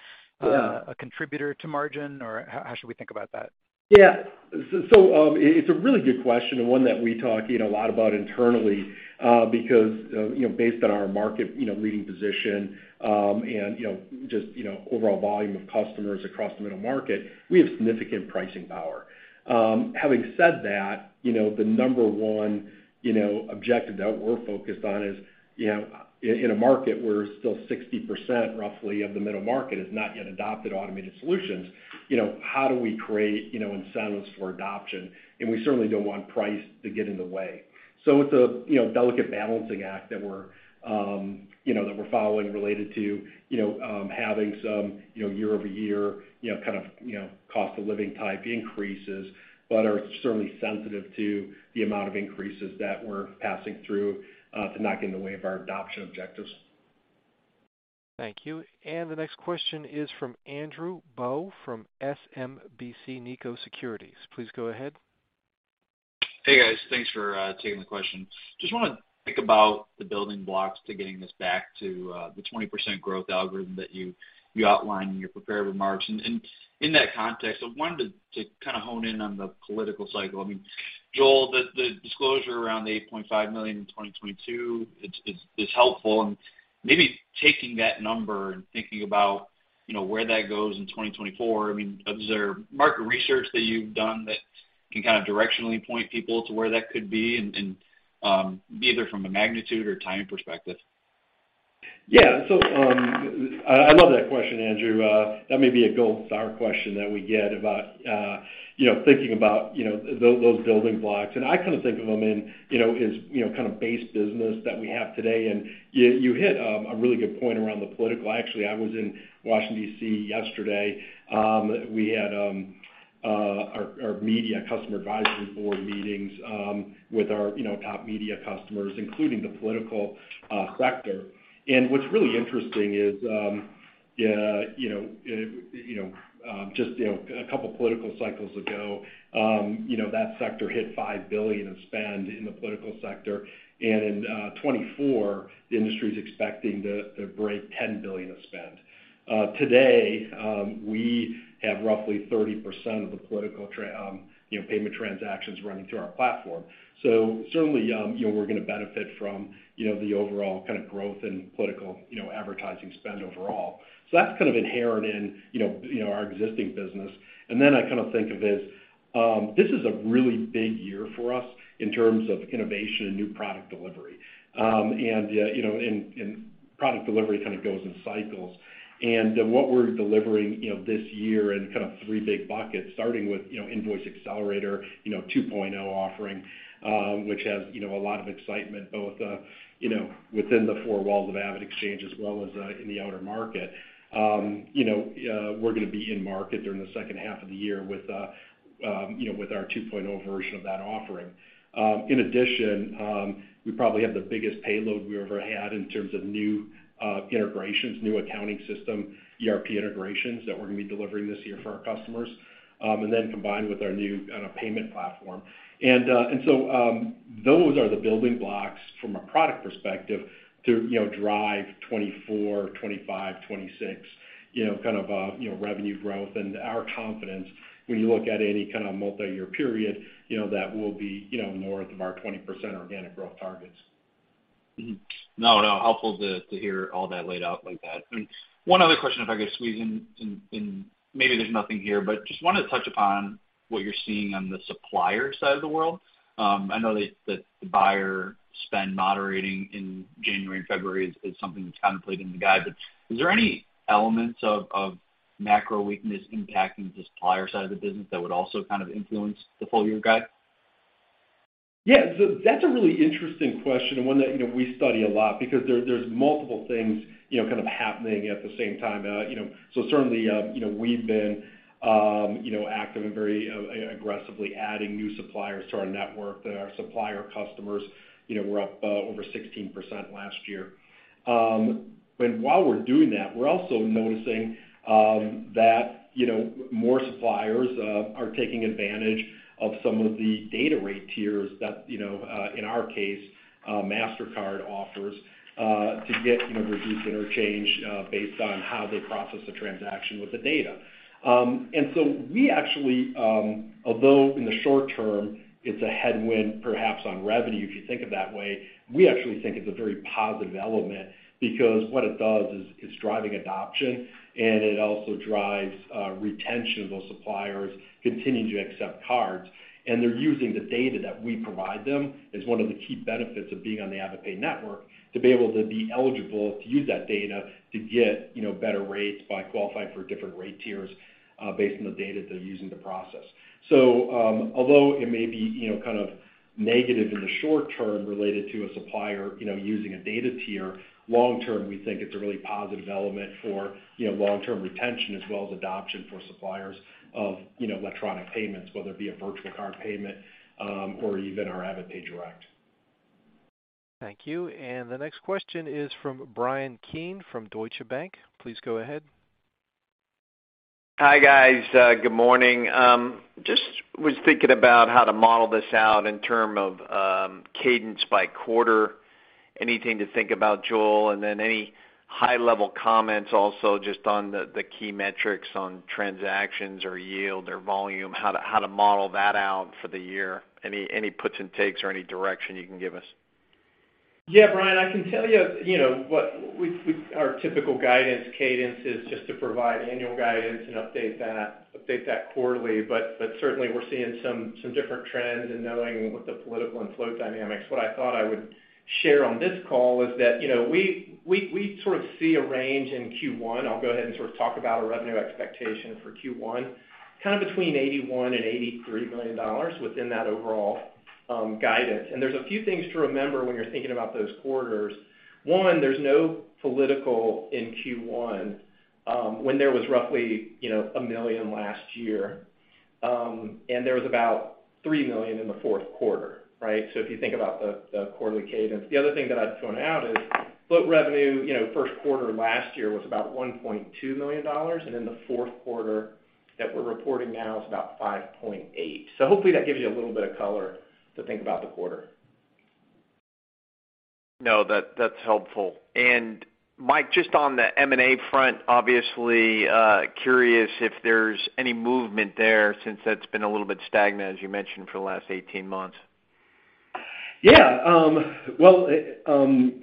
Yeah... a contributor to margin, or how should we think about that? Yeah. It's a really good question and one that we talk, you know, a lot about internally, because, you know, based on our market, you know, leading position, and, you know, just, you know, overall volume of customers across the middle market, we have significant pricing power. Having said that, you know, the number one, you know, objective that we're focused on is, you know, in a market where still 60% roughly of the middle market has not yet adopted automated solutions, you know, how do we create, you know, incentives for adoption? We certainly don't want price to get in the way. It's a, you know, delicate balancing act that we're, you know, that we're following related to, you know, having some, you know, year-over-year, you know, kind of, you know, cost of living type increases, but are certainly sensitive to the amount of increases that we're passing through to not get in the way of our adoption objectives. Thank you. The next question is from Andrew Bauch from SMBC Nikko Securities. Please go ahead. Hey, guys. Thanks for taking the question. Just wanna think about the building blocks to getting this back to the 20% growth algorithm that you outlined in your prepared remarks. In that context, I wanted to kind of hone in on the political cycle. I mean, Joel, the disclosure around the $8.5 million in 2022 it's helpful. Maybe taking that number and thinking about, you know, where that goes in 2024, I mean, is there market research that you've done that can kind of directionally point people to where that could be and either from a magnitude or timing perspective? Yeah. I love that question, Andrew. That may be a gold star question that we get about, you know, thinking about, those building blocks. I kind of think of them in, you know, kind of base business that we have today. You, you hit a really good point around the political. Actually, I was in Washington, D.C. yesterday. We had our media customer advisory board meetings with our, you know, top media customers, including the political sector. What's really interesting is, you know, just, you know, a couple political cycles ago, you know, that sector hit $5 billion of spend in the political sector. In 2024, the industry's expecting to break $10 billion of spend. Today, we have roughly 30% of the political payment transactions running through our platform. Certainly, we're going to benefit from the overall kind of growth in political advertising spend overall. That's kind of inherent in our existing business. I kind of think of as, this is a really big year for us in terms of innovation and new product delivery. Product delivery kind of goes in cycles. What we're delivering this year in kind of three big buckets, starting with Invoice Accelerator 2.0 offering, which has a lot of excitement, both within the four walls of AvidXchange as well as in the outer market. We're gonna be in market during the second half of the year with our 2.0 version of that offering. In addition, we probably have the biggest payload we ever had in terms of new integrations, new accounting system, ERP integrations that we're gonna be delivering this year for our customers, and then combined with our new payment platform. Those are the building blocks from a product perspective to drive 2024, 2025, 2026 revenue growth and our confidence when you look at any multiyear period that we'll be north of our 20% organic growth targets. No, no, helpful to hear all that laid out like that. One other question, if I could squeeze in, maybe there's nothing here, but just wanted to touch upon what you're seeing on the supplier side of the world. I know that the buyer spend moderating in January and February is something that's contemplated in the guide, but is there any elements of macro weakness impacting the supplier side of the business that would also kind of influence the full year guide? That's a really interesting question and one that, you know, we study a lot because there's multiple things, you know, kind of happening at the same time. Certainly, you know, we've been, you know, active and very aggressively adding new suppliers to our network that our supplier customers, you know, were up over 16% last year. While we're doing that, we're also noticing that, you know, more suppliers are taking advantage of some of the data rate tiers that, you know, in our case, Mastercard offers to get, you know, reduced interchange based on how they process a transaction with the data. We actually... Although in the short term, it's a headwind perhaps on revenue, if you think of that way, we actually think it's a very positive development because what it does is it's driving adoption, and it also drives retention of those suppliers continuing to accept cards. They're using the data that we provide them as one of the key benefits of being on the AvidPay network to be able to be eligible to use that data to get, you know, better rates by qualifying for different rate tiers based on the data they're using to process. Although it may be, you know, kind of negative in the short term related to a supplier, you know, using a data tier, long term, we think it's a really positive element for, you know, long-term retention as well as adoption for suppliers of, you know, electronic payments, whether it be a virtual card payment, or even our AvidPay Direct. Thank you. The next question is from Bryan Keane from Deutsche Bank. Please go ahead. Hi, guys. good morning. just was thinking about how to model this out in term of cadence by quarter. Anything to think about, Joel? Any high-level comments also just on the key metrics on transactions or yield or volume, how to model that out for the year? Any puts and takes or any direction you can give us? Yeah. Bryan, I can tell you know, our typical guidance cadence is just to provide annual guidance and update that, update that quarterly. But certainly we're seeing some different trends in knowing what the political and float dynamics. What I thought I would share on this call is that, you know, we sort of see a range in Q1. I'll go ahead and sort of talk about our revenue expectation for Q1, kind of between $81 million and $83 million within that overall guidance. There's a few things to remember when you're thinking about those quarters. One, there's no political in Q1, when there was roughly, you know, $1 million last year, and there was about $3 million in the fourth quarter, right? If you think about the quarterly cadence. The other thing that I'd point out is float revenue, you know, first quarter last year was about $1.2 million, and in the fourth quarter that we're reporting now is about $5.8 million. Hopefully that gives you a little bit of color to think about the quarter. No, that's helpful. Mike, just on the M&A front, obviously, curious if there's any movement there since that's been a little bit stagnant, as you mentioned, for the last 18 months. Yeah. Well,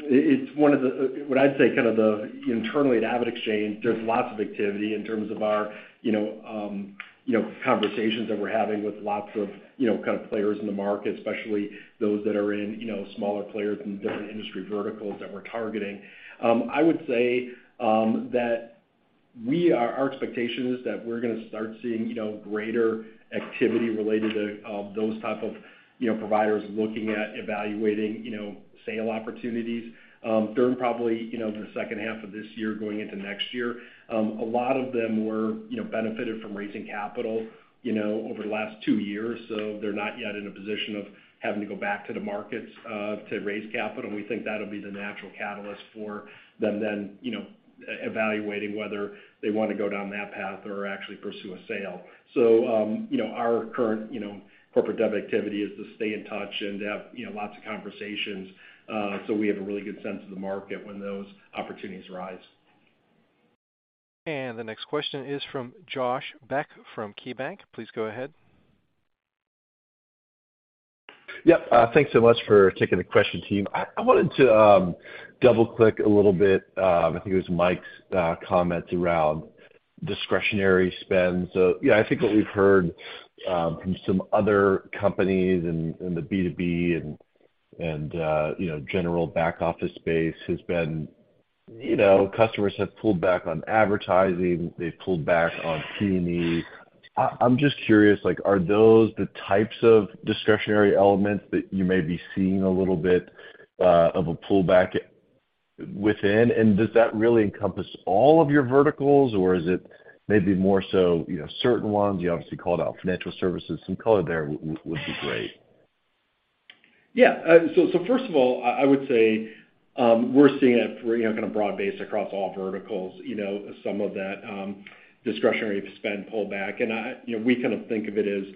it's what I'd say kind of the internally at AvidXchange, there's lots of activity in terms of our, you know, conversations that we're having with lots of, you know, kind of players in the market, especially those that are in, you know, smaller players in different industry verticals that we're targeting. I would say that our expectation is that we're gonna start seeing, you know, greater activity related to those type of, you know, providers looking at evaluating, you know, sale opportunities during probably, you know, the second half of this year going into next year. A lot of them were, you know, benefited from raising capital, you know, over the last two years. They're not yet in a position of having to go back to the markets to raise capital. We think that'll be the natural catalyst for them then, you know, evaluating whether they wanna go down that path or actually pursue a sale. Our current, you know, corporate dev activity is to stay in touch and to have, you know, lots of conversations, so we have a really good sense of the market when those opportunities arise. The next question is from Josh Beck from KeyBanc. Please go ahead. Yeah. Thanks so much for taking the question, team. I wanted to double-click a little bit, I think it was Mike Praeger's comments around discretionary spend. Yeah, I think what we've heard from some other companies in the B2B and, you know, general back office space has been, you know, customers have pulled back on advertising. They've pulled back on P&E. I'm just curious, like, are those the types of discretionary elements that you may be seeing a little bit of a pullback within? Does that really encompass all of your verticals, or is it maybe more so, you know, certain ones? You obviously called out financial services. Some color there would be great. Yeah. First of all, I would say, we're seeing a you know, kind of broad-based across all verticals, you know, some of that discretionary spend pull back. You know, we kind of think of it as,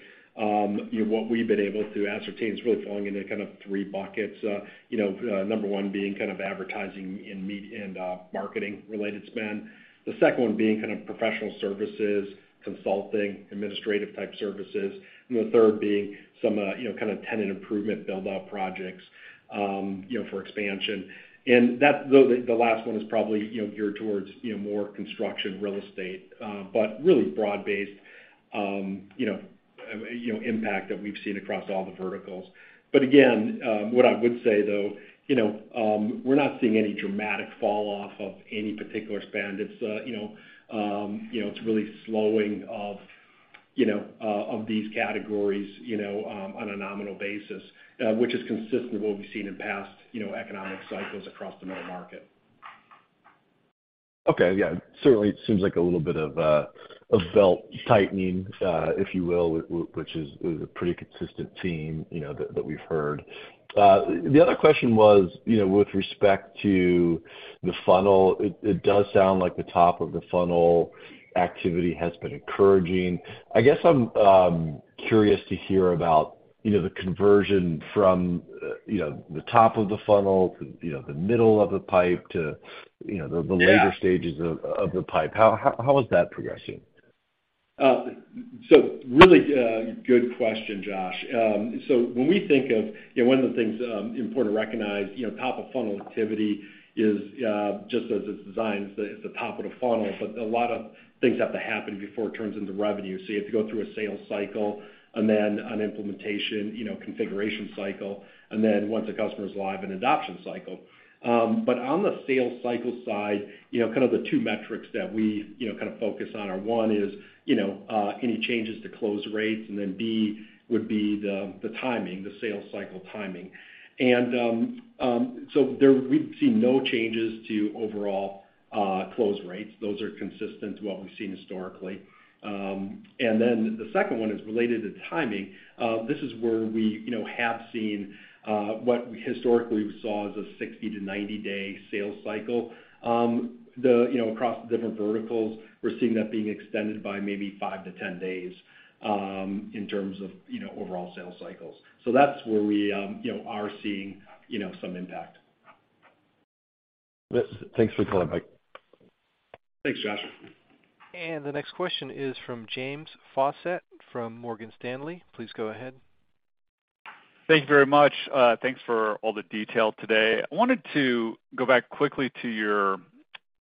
you know, what we've been able to ascertain is really falling into kind of three buckets. You know, number 1 being kind of advertising and marketing related spend. The second being kind of professional services, consulting, administrative type services. The third being some, you know, kind of tenant improvement build-out projects, you know, for expansion. Though the last 1 is probably, you know, geared towards, you know, more construction real estate, really broad-based, you know, impact that we've seen across all the verticals. Again, what I would say, though, you know, we're not seeing any dramatic fall off of any particular spend. It's, you know, you know, it's really slowing of, you know, of these categories, you know, on a nominal basis, which is consistent with what we've seen in past, you know, economic cycles across the middle market. Okay. Yeah. Certainly it seems like a little bit of belt tightening, if you will, which is a pretty consistent theme, you know, that we've heard. The other question was, you know, with respect to the funnel, it does sound like the top of the funnel activity has been encouraging. I guess I'm curious to hear about, you know, the conversion from, you know, the top of the funnel to, you know, the middle of the pipe to. Yeah... the later stages of the pipe. How is that progressing? Really good question, Josh. When we think of, you know, one of the things, important to recognize, you know, top of funnel activity is just as it's designed, it's the top of the funnel, but a lot of things have to happen before it turns into revenue. You have to go through a sales cycle and then an implementation, you know, configuration cycle, and then once a customer is live, an adoption cycle. On the sales cycle side, you know, kind of the two metrics that we, you know, kind of focus on are one is, you know, any changes to close rates and then B, would be the timing, the sales cycle timing. There we've seen no changes to overall close rates. Those are consistent to what we've seen historically. The second one is related to timing. This is where we, you know, have seen, what we historically saw as a 60-90-day sales cycle. The, you know, across the different verticals, we're seeing that being extended by maybe 5-10 days, in terms of, you know, overall sales cycles. That's where we, you know, are seeing, you know, some impact. Thanks for the color, Mike. Thanks, Josh. The next question is from James Faucette from Morgan Stanley. Please go ahead. Thank you very much. Thanks for all the detail today. I wanted to go back quickly to your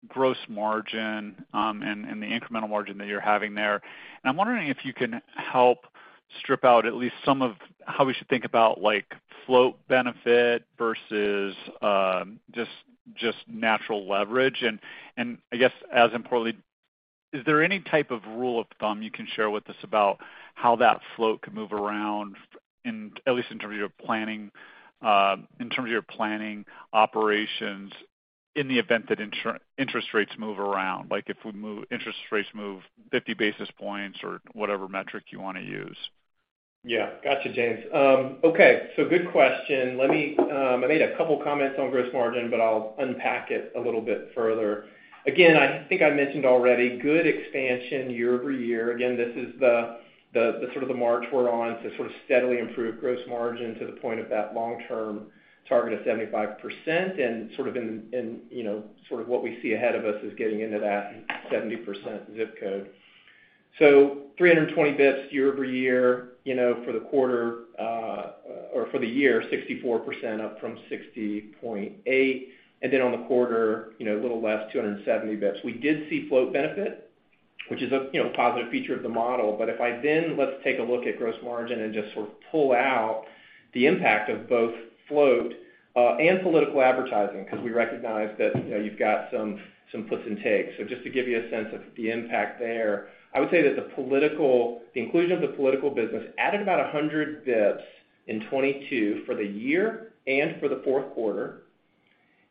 gross margin, and the incremental margin that you're having there. I'm wondering if you can help strip out at least some of how we should think about like float benefit versus natural leverage. I guess as importantly, is there any type of rule of thumb you can share with us about how that float could move around at least in terms of your planning operations in the event that interest rates move around, like if interest rates move 50 basis points or whatever metric you wanna use? Yeah. Got you, James. Okay, good question. Let me, I made a couple comments on gross margin, but I'll unpack it a little bit further. Again, I think I mentioned already, good expansion year-over-year. Again, this is the sort of the march we're on to sort of steadily improve gross margin to the point of that long-term target of 75%. Sort of, you know, sort of what we see ahead of us is getting into that 70% ZIP code. 320 bps year-over-year, you know, for the quarter or for the year, 64% up from 60.8. On the quarter, you know, a little less, 270 bps. We did see float benefit, which is a, you know, positive feature of the model. If I then let's take a look at gross margin and just sort of pull out the impact of both float and political advertising, because we recognize that, you know, you've got some puts and takes. Just to give you a sense of the impact there, I would say that the inclusion of the political business added about 100 bps in 2022 for the year and for the fourth quarter.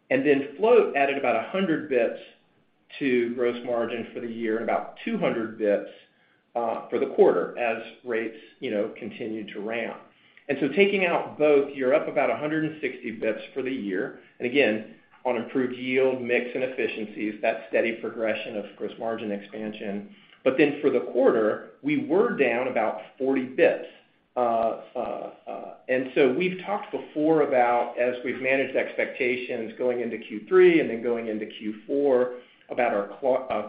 Float added about 100 bps to gross margin for the year, and about 200 bps for the quarter as rates, you know, continued to ramp. Taking out both, you're up about 160 bps for the year. Again, on improved yield mix and efficiencies, that steady progression of gross margin expansion. For the quarter, we were down about 40 bps, and so we've talked before about as we've managed expectations going into Q3 and then going into Q4 about our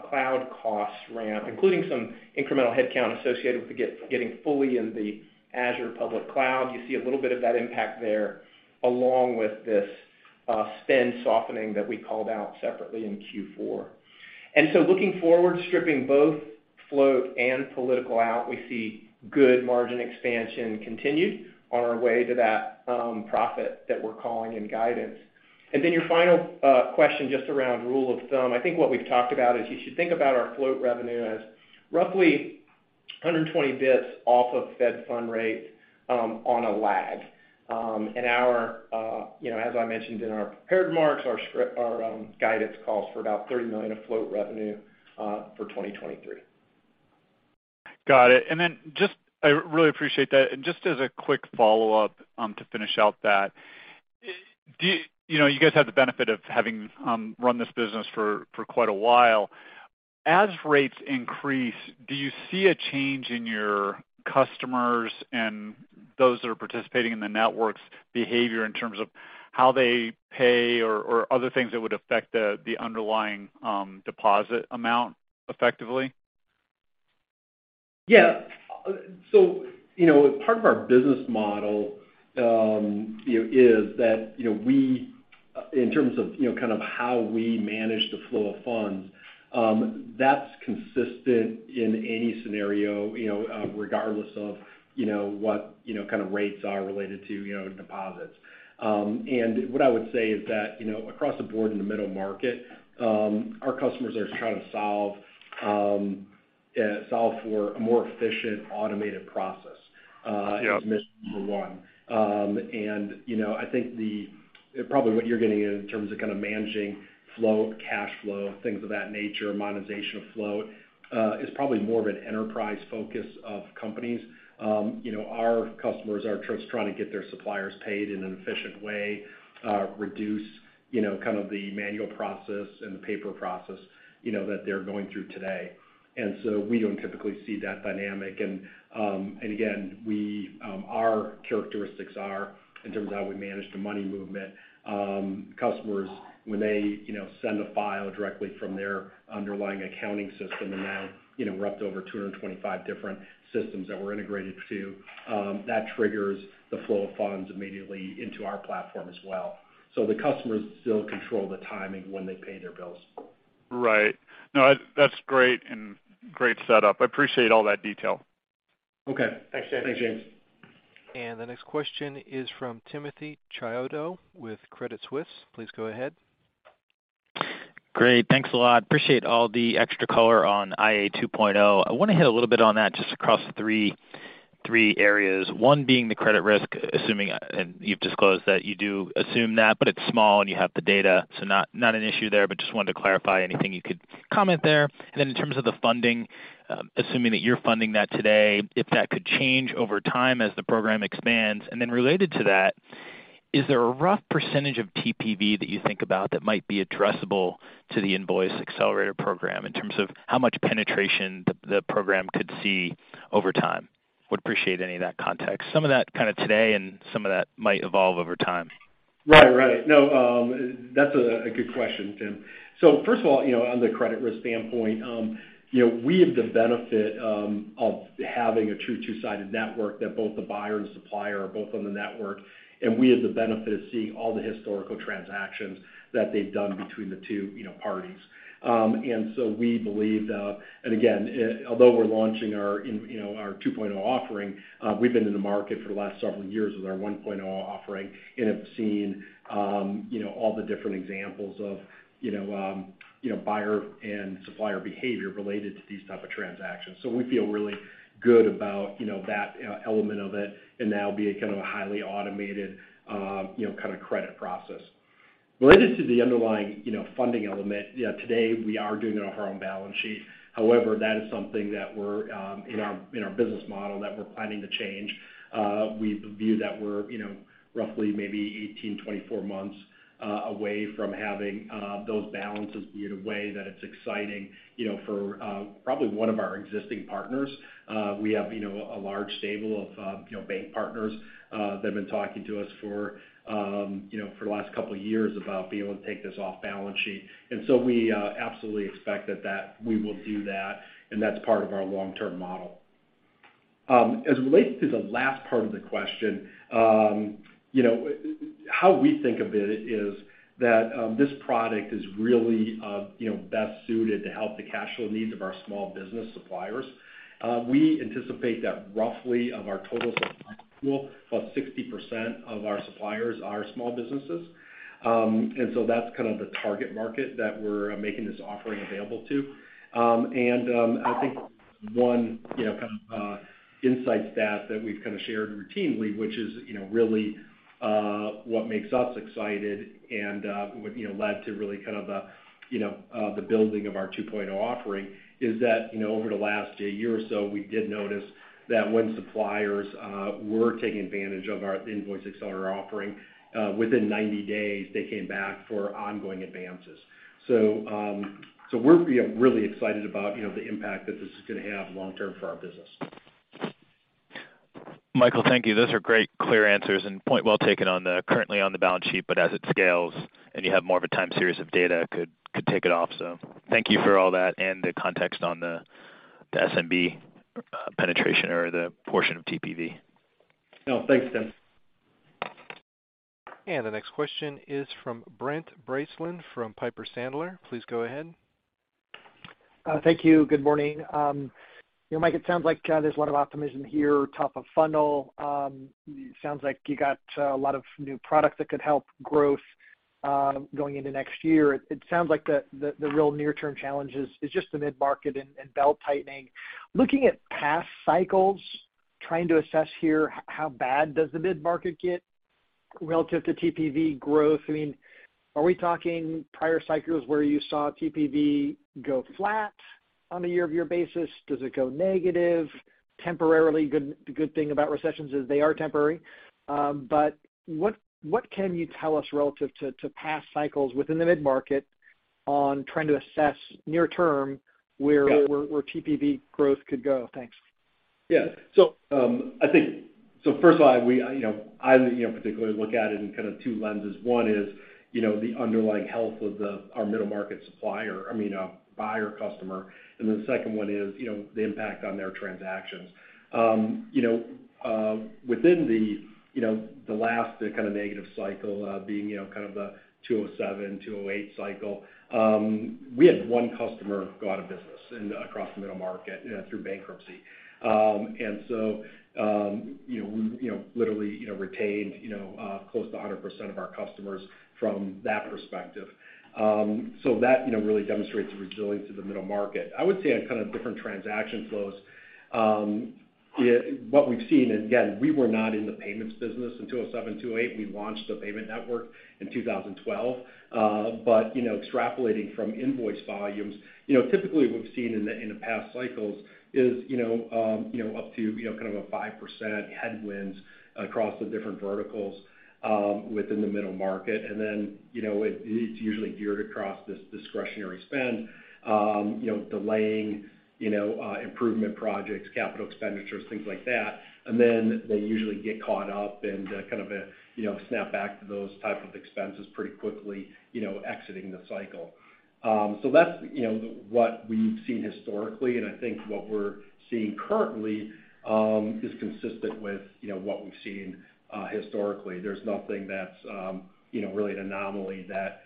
cloud cost ramp, including some incremental headcount associated with getting fully in the Azure public cloud. You see a little bit of that impact there along with this spend softening that we called out separately in Q4. Looking forward, stripping both float and political out, we see good margin expansion continued on our way to that profit that we're calling in guidance. Your final question just around rule of thumb. I think what we've talked about is you should think about our float revenue as roughly 120 bps off of Fed funds rate on a lag. You know, as I mentioned in our prepared remarks, our guidance calls for about $30 million of float revenue for 2023. Got it. Just, I really appreciate that. Just as a quick follow-up to finish out that. You know, you guys have the benefit of having run this business for quite a while. As rates increase, do you see a change in your customers and those that are participating in the network's behavior in terms of how they pay or other things that would affect the underlying deposit amount effectively? Yeah. You know, part of our business model, you know, is that, you know, we, in terms of, you know, kind of how we manage the flow of funds, that's consistent in any scenario, you know, regardless of, you know, what, you know, kind of rates are related to, you know, deposits. What I would say is that, you know, across the board in the middle market, our customers are trying to solve, Yeah, solve for a more efficient automated process. Yeah. -is mission number one. And, you know, I think probably what you're getting at in terms of kinda managing flow, cash flow, things of that nature, monetization of flow is probably more of an enterprise focus of companies. You know, our customers are just trying to get their suppliers paid in an efficient way, reduce, you know, kind of the manual process and the paper process, you know, that they're going through today. We don't typically see that dynamic. Again, we, our characteristics are, in terms of how we manage the money movement, customers when they, you know, send a file directly from their underlying accounting system, and now, you know, we're up to over 225 different systems that we're integrated to, that triggers the flow of funds immediately into our platform as well. The customers still control the timing when they pay their bills. Right. No, that's great and great setup. I appreciate all that detail. Okay. Thanks, James. The next question is from Timothy Chiodo with Credit Suisse. Please go ahead. Great. Thanks a lot. Appreciate all the extra color on IA 2.0. I wanna hit a little bit on that just across three areas. One being the credit risk, assuming, and you've disclosed that you do assume that, but it's small, and you have the data, so not an issue there, but just wanted to clarify anything you could comment there. In terms of the funding, assuming that you're funding that today, if that could change over time as the program expands. Related to that, is there a rough percentage of TPV that you think about that might be addressable to the Invoice Accelerator program in terms of how much penetration the program could see over time? Would appreciate any of that context, some of that kinda today and some of that might evolve over time. Right. Right. No, that's a good question, Tim. First of all, you know, on the credit risk standpoint, you know, we have the benefit of having a true two-sided network that both the buyer and supplier are both on the network, and we have the benefit of seeing all the historical transactions that they've done between the two, you know, parties. Again, although we're launching our, you know, 2.0 offering, we've been in the market for the last several years with our 1.0 offering and have seen, you know, all the different examples of, you know, buyer and supplier behavior related to these type of transactions. We feel really good about, you know, that element of it, and that'll be a kind of highly automated, you know, kinda credit process. Related to the underlying, you know, funding element, yeah, today we are doing it on our own balance sheet. That is something that we're in our business model that we're planning to change. We view that we're, you know, roughly maybe 18-24 months away from having those balances be in a way that it's exciting, you know, for probably one of our existing partners. We have, you know, a large stable of, you know, bank partners that have been talking to us for, you know, for the last couple of years about being able to take this off balance sheet. We absolutely expect that we will do that, and that's part of our long-term model. As it relates to the last part of the question, you know, how we think of it is that this product is really, you know, best suited to help the cash flow needs of our small business suppliers. We anticipate that roughly of our total supplier pool, about 60% of our suppliers are small businesses. That's kind of the target market that we're making this offering available to. I think one, you know, kind of insight stat that we've kinda shared routinely, which is, you know, really what makes us excited and what, you know, led to really kind of the, you know, the building of our 2.0 offering is that, you know, over the last a year or so, we did notice that when suppliers were taking advantage of our Invoice Accelerator offering, within 90 days, they came back for ongoing advances. We're, you know, really excited about, you know, the impact that this is gonna have long term for our business. Michael, thank you. Those are great clear answers and point well taken on the currently on the balance sheet, but as it scales and you have more of a time series of data could take it off. Thank you for all that and the context on the SMB penetration or the portion of TPV. No, thanks, Tim. The next question is from Brent Bracelin from Piper Sandler. Please go ahead. Thank you. Good morning. You know, Mike, it sounds like there's a lot of optimism here, top of funnel. Sounds like you got a lot of new product that could help growth going into next year. It sounds like the real near-term challenge is just the mid-market and belt-tightening. Looking at past cycles, trying to assess here how bad does the mid-market get relative to TPV growth? I mean, are we talking prior cycles where you saw TPV go flat on a year-over-year basis? Does it go negative temporarily? The good thing about recessions is they are temporary. What can you tell us relative to past cycles within the mid-market on trying to assess near term where- Yeah. where TPV growth could go? Thanks. Yeah. First of all, we, you know, I, you know, particularly look at it in kind of two lenses. One is, you know, the underlying health of our middle market supplier, I mean, buyer customer. The second one is, you know, the impact on their transactions. You know, within the, you know, the last kind of negative cycle, being, you know, kind of the 2007, 2008 cycle, we had one customer go out of business across the middle market through bankruptcy. You know, we, you know, literally, you know, retained, you know, close to 100% of our customers from that perspective. That, you know, really demonstrates the resilience of the middle market. I would say on kind of different transaction flows, Yeah, what we've seen, and again, we were not in the payments business in 2007, 2008. We launched a payment network in 2012. You know, extrapolating from invoice volumes, you know, typically, what we've seen in the, in the past cycles is, you know, up to, you know, kind of a 5% headwinds across the different verticals within the middle market. You know, it's usually geared across this discretionary spend, you know, delaying, improvement projects, capital expenditures, things like that. They usually get caught up and, kind of, you know, snap back to those type of expenses pretty quickly, you know, exiting the cycle. That's, you know, what we've seen historically, and I think what we're seeing currently, is consistent with, you know, what we've seen, historically. There's nothing that's, you know, really an anomaly that,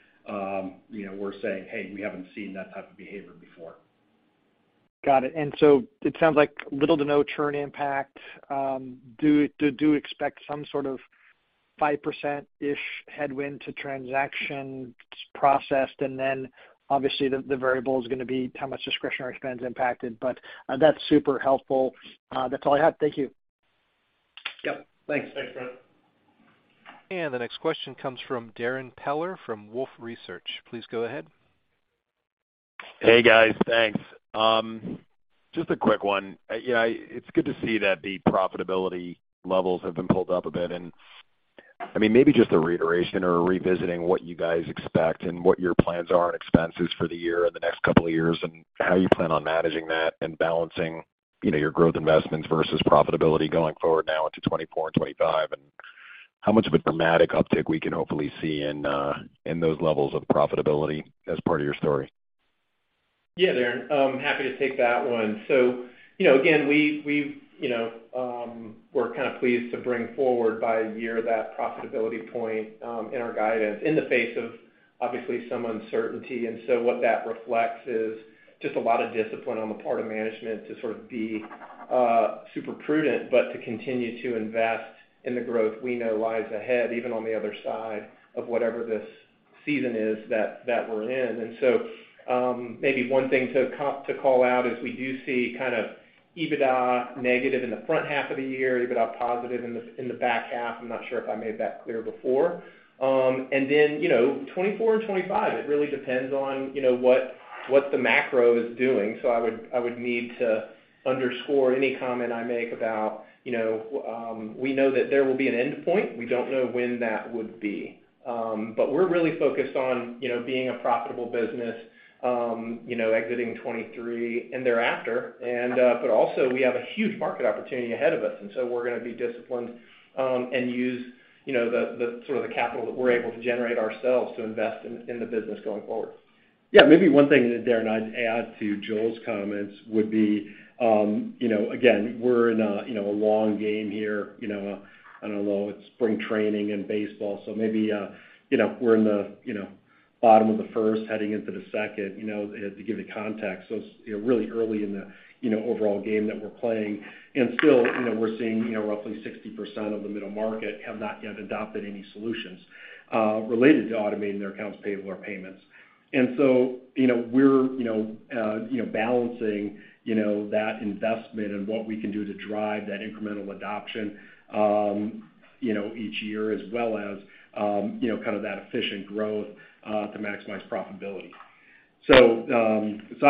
you know, we're saying, "Hey, we haven't seen that type of behavior before. Got it. It sounds like little to no churn impact. Do expect some sort of 5%-ish headwind to transactions processed, and then obviously the variable is gonna be how much discretionary spend is impacted. That's super helpful. That's all I have. Thank you. Yep. Thanks. Thanks, Brett. The next question comes from Darrin Peller from Wolfe Research. Please go ahead. Hey, guys. Thanks. Just a quick one. You know, it's good to see that the profitability levels have been pulled up a bit. I mean, maybe just a reiteration or revisiting what you guys expect and what your plans are on expenses for the year and the next couple of years and how you plan on managing that and balancing, you know, your growth investments versus profitability going forward now into 2024 and 2025. How much of a dramatic uptick we can hopefully see in those levels of profitability as part of your story. Yeah, Darrin, happy to take that one. You know, again, we've, you know, we're kind of pleased to bring forward by a year that profitability point in our guidance in the face of obviously some uncertainty. What that reflects is just a lot of discipline on the part of management to sort of be super prudent, but to continue to invest in the growth we know lies ahead, even on the other side of whatever this season is that we're in. Maybe one thing to call out is we do see kind of EBITDA negative in the front half of the year, EBITDA positive in the back half. I'm not sure if I made that clear before. You know, 2024 and 2025, it really depends on, you know, what the macro is doing. I would need to underscore any comment I make about, you know, we know that there will be an endpoint. We don't know when that would be. We're really focused on, you know, being a profitable business, you know, exiting 2023 and thereafter. Also, we have a huge market opportunity ahead of us, we're gonna be disciplined and use, you know, the sort of the capital that we're able to generate ourselves to invest in the business going forward. Yeah. Maybe one thing, Darrin, I'd add to Joel's comments would be, you know, again, we're in a, you know, a long game here. You know, I don't know, it's spring training in baseball, so maybe, you know, we're in the, you know, bottom of the first, heading into the second, you know, to give you context. It's, you know, really early in the, you know, overall game that we're playing. Still, you know, we're seeing, you know, roughly 60% of the middle market have not yet adopted any solutions, related to automating their accounts payable or payments. You know, we're, you know, balancing, you know, that investment and what we can do to drive that incremental adoption, you know, each year as well as, you know, kind of that efficient growth, to maximize profitability. I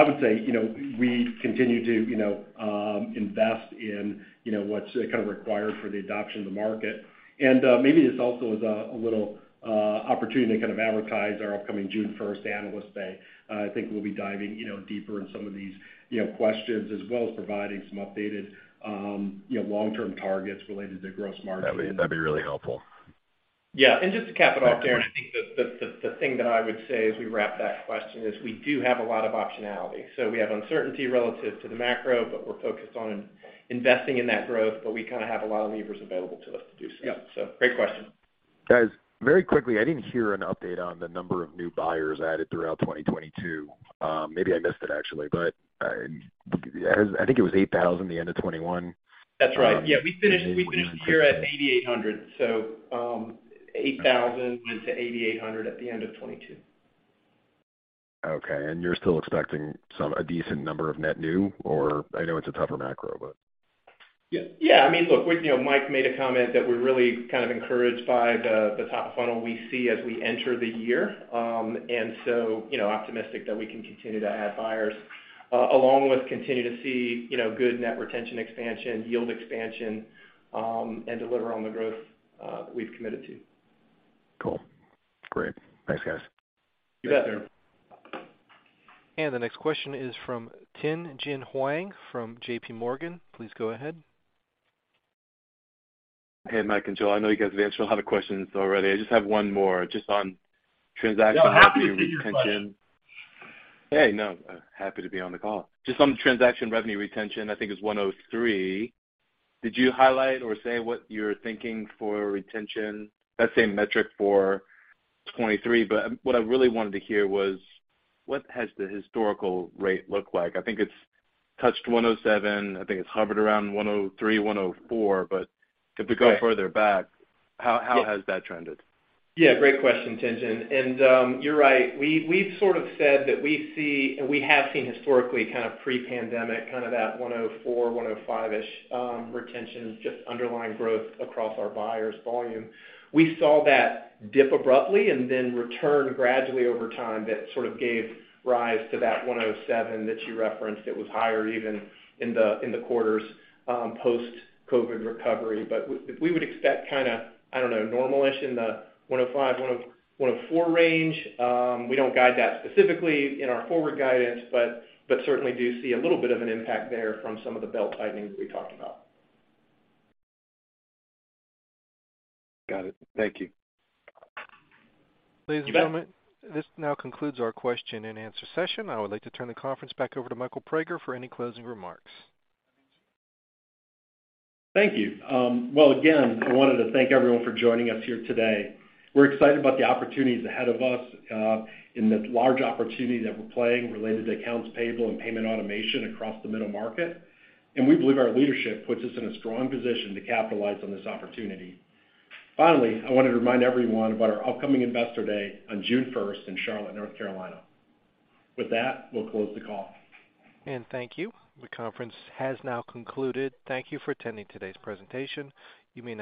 would say, you know, we continue to, you know, invest in, you know, what's kind of required for the adoption of the market. Maybe this also is a little opportunity to kind of advertise our upcoming June 1 Analyst Day. I think we'll be diving, you know, deeper in some of these, you know, questions, as well as providing some updated, you know, long-term targets related to gross margin. That'd be really helpful. Yeah. Just to cap it off, Darrin, I think the thing that I would say as we wrap that question is we do have a lot of optionality. We have uncertainty relative to the macro, but we're focused on investing in that growth, but we kinda have a lot of levers available to us to do so. Yep. Great question. Guys, very quickly, I didn't hear an update on the number of new buyers added throughout 2022. Maybe I missed it actually, but, I think it was 8,000 at the end of 2021. That's right. Yeah. We finished the year at 8,800. 8,000 went to 8,800 at the end of 2022. Okay. You're still expecting a decent number of net new, or... I know it's a tougher macro. Yeah. Yeah. I mean, look, you know, Mike made a comment that we're really kind of encouraged by the top funnel we see as we enter the year. You know, optimistic that we can continue to add buyers along with continue to see, you know, good net retention expansion, yield expansion, and deliver on the growth we've committed to. Cool. Great. Thanks, guys. You bet. Thanks, Darrin. The next question is from Tien-Tsin Huang from JP Morgan. Please go ahead. Hey, Mike and Joel. I know you guys have answered a lot of questions already. I just have one more just on transaction- Yeah, I'm happy to feed you, buddy. Hey, no, happy to be on the call. Just on transaction revenue retention, I think it's 103. Did you highlight or say what you're thinking for retention, let's say metric for 2023? What I really wanted to hear was, what has the historical rate looked like? I think it's touched 107. I think it's hovered around 103, 104. If we go further back, how has that trended? Yeah, great question, Tien-Tsin. You're right. We've sort of said that we see, and we have seen historically kind of pre-pandemic, kind of that 104%, 105%-ish retention, just underlying growth across our buyers volume. We saw that dip abruptly and then return gradually over time. That sort of gave rise to that 107% that you referenced. It was higher even in the quarters post-COVID recovery. We would expect kinda, I don't know, normal-ish in the 105%, 104% range. We don't guide that specifically in our forward guidance, but certainly do see a little bit of an impact there from some of the belt-tightening that we talked about. Got it. Thank you. You bet. Ladies and gentlemen, this now concludes our question-and-answer session. I would like to turn the conference back over to Mike Praeger for any closing remarks. Thank you. Well, again, I wanted to thank everyone for joining us here today. We're excited about the opportunities ahead of us, in the large opportunity that we're playing related to accounts payable and payment automation across the middle market, and we believe our leadership puts us in a strong position to capitalize on this opportunity. Finally, I wanted to remind everyone about our upcoming Investor Day on June 1 in Charlotte, North Carolina. With that, we'll close the call. Thank you. The conference has now concluded. Thank you for attending today's presentation.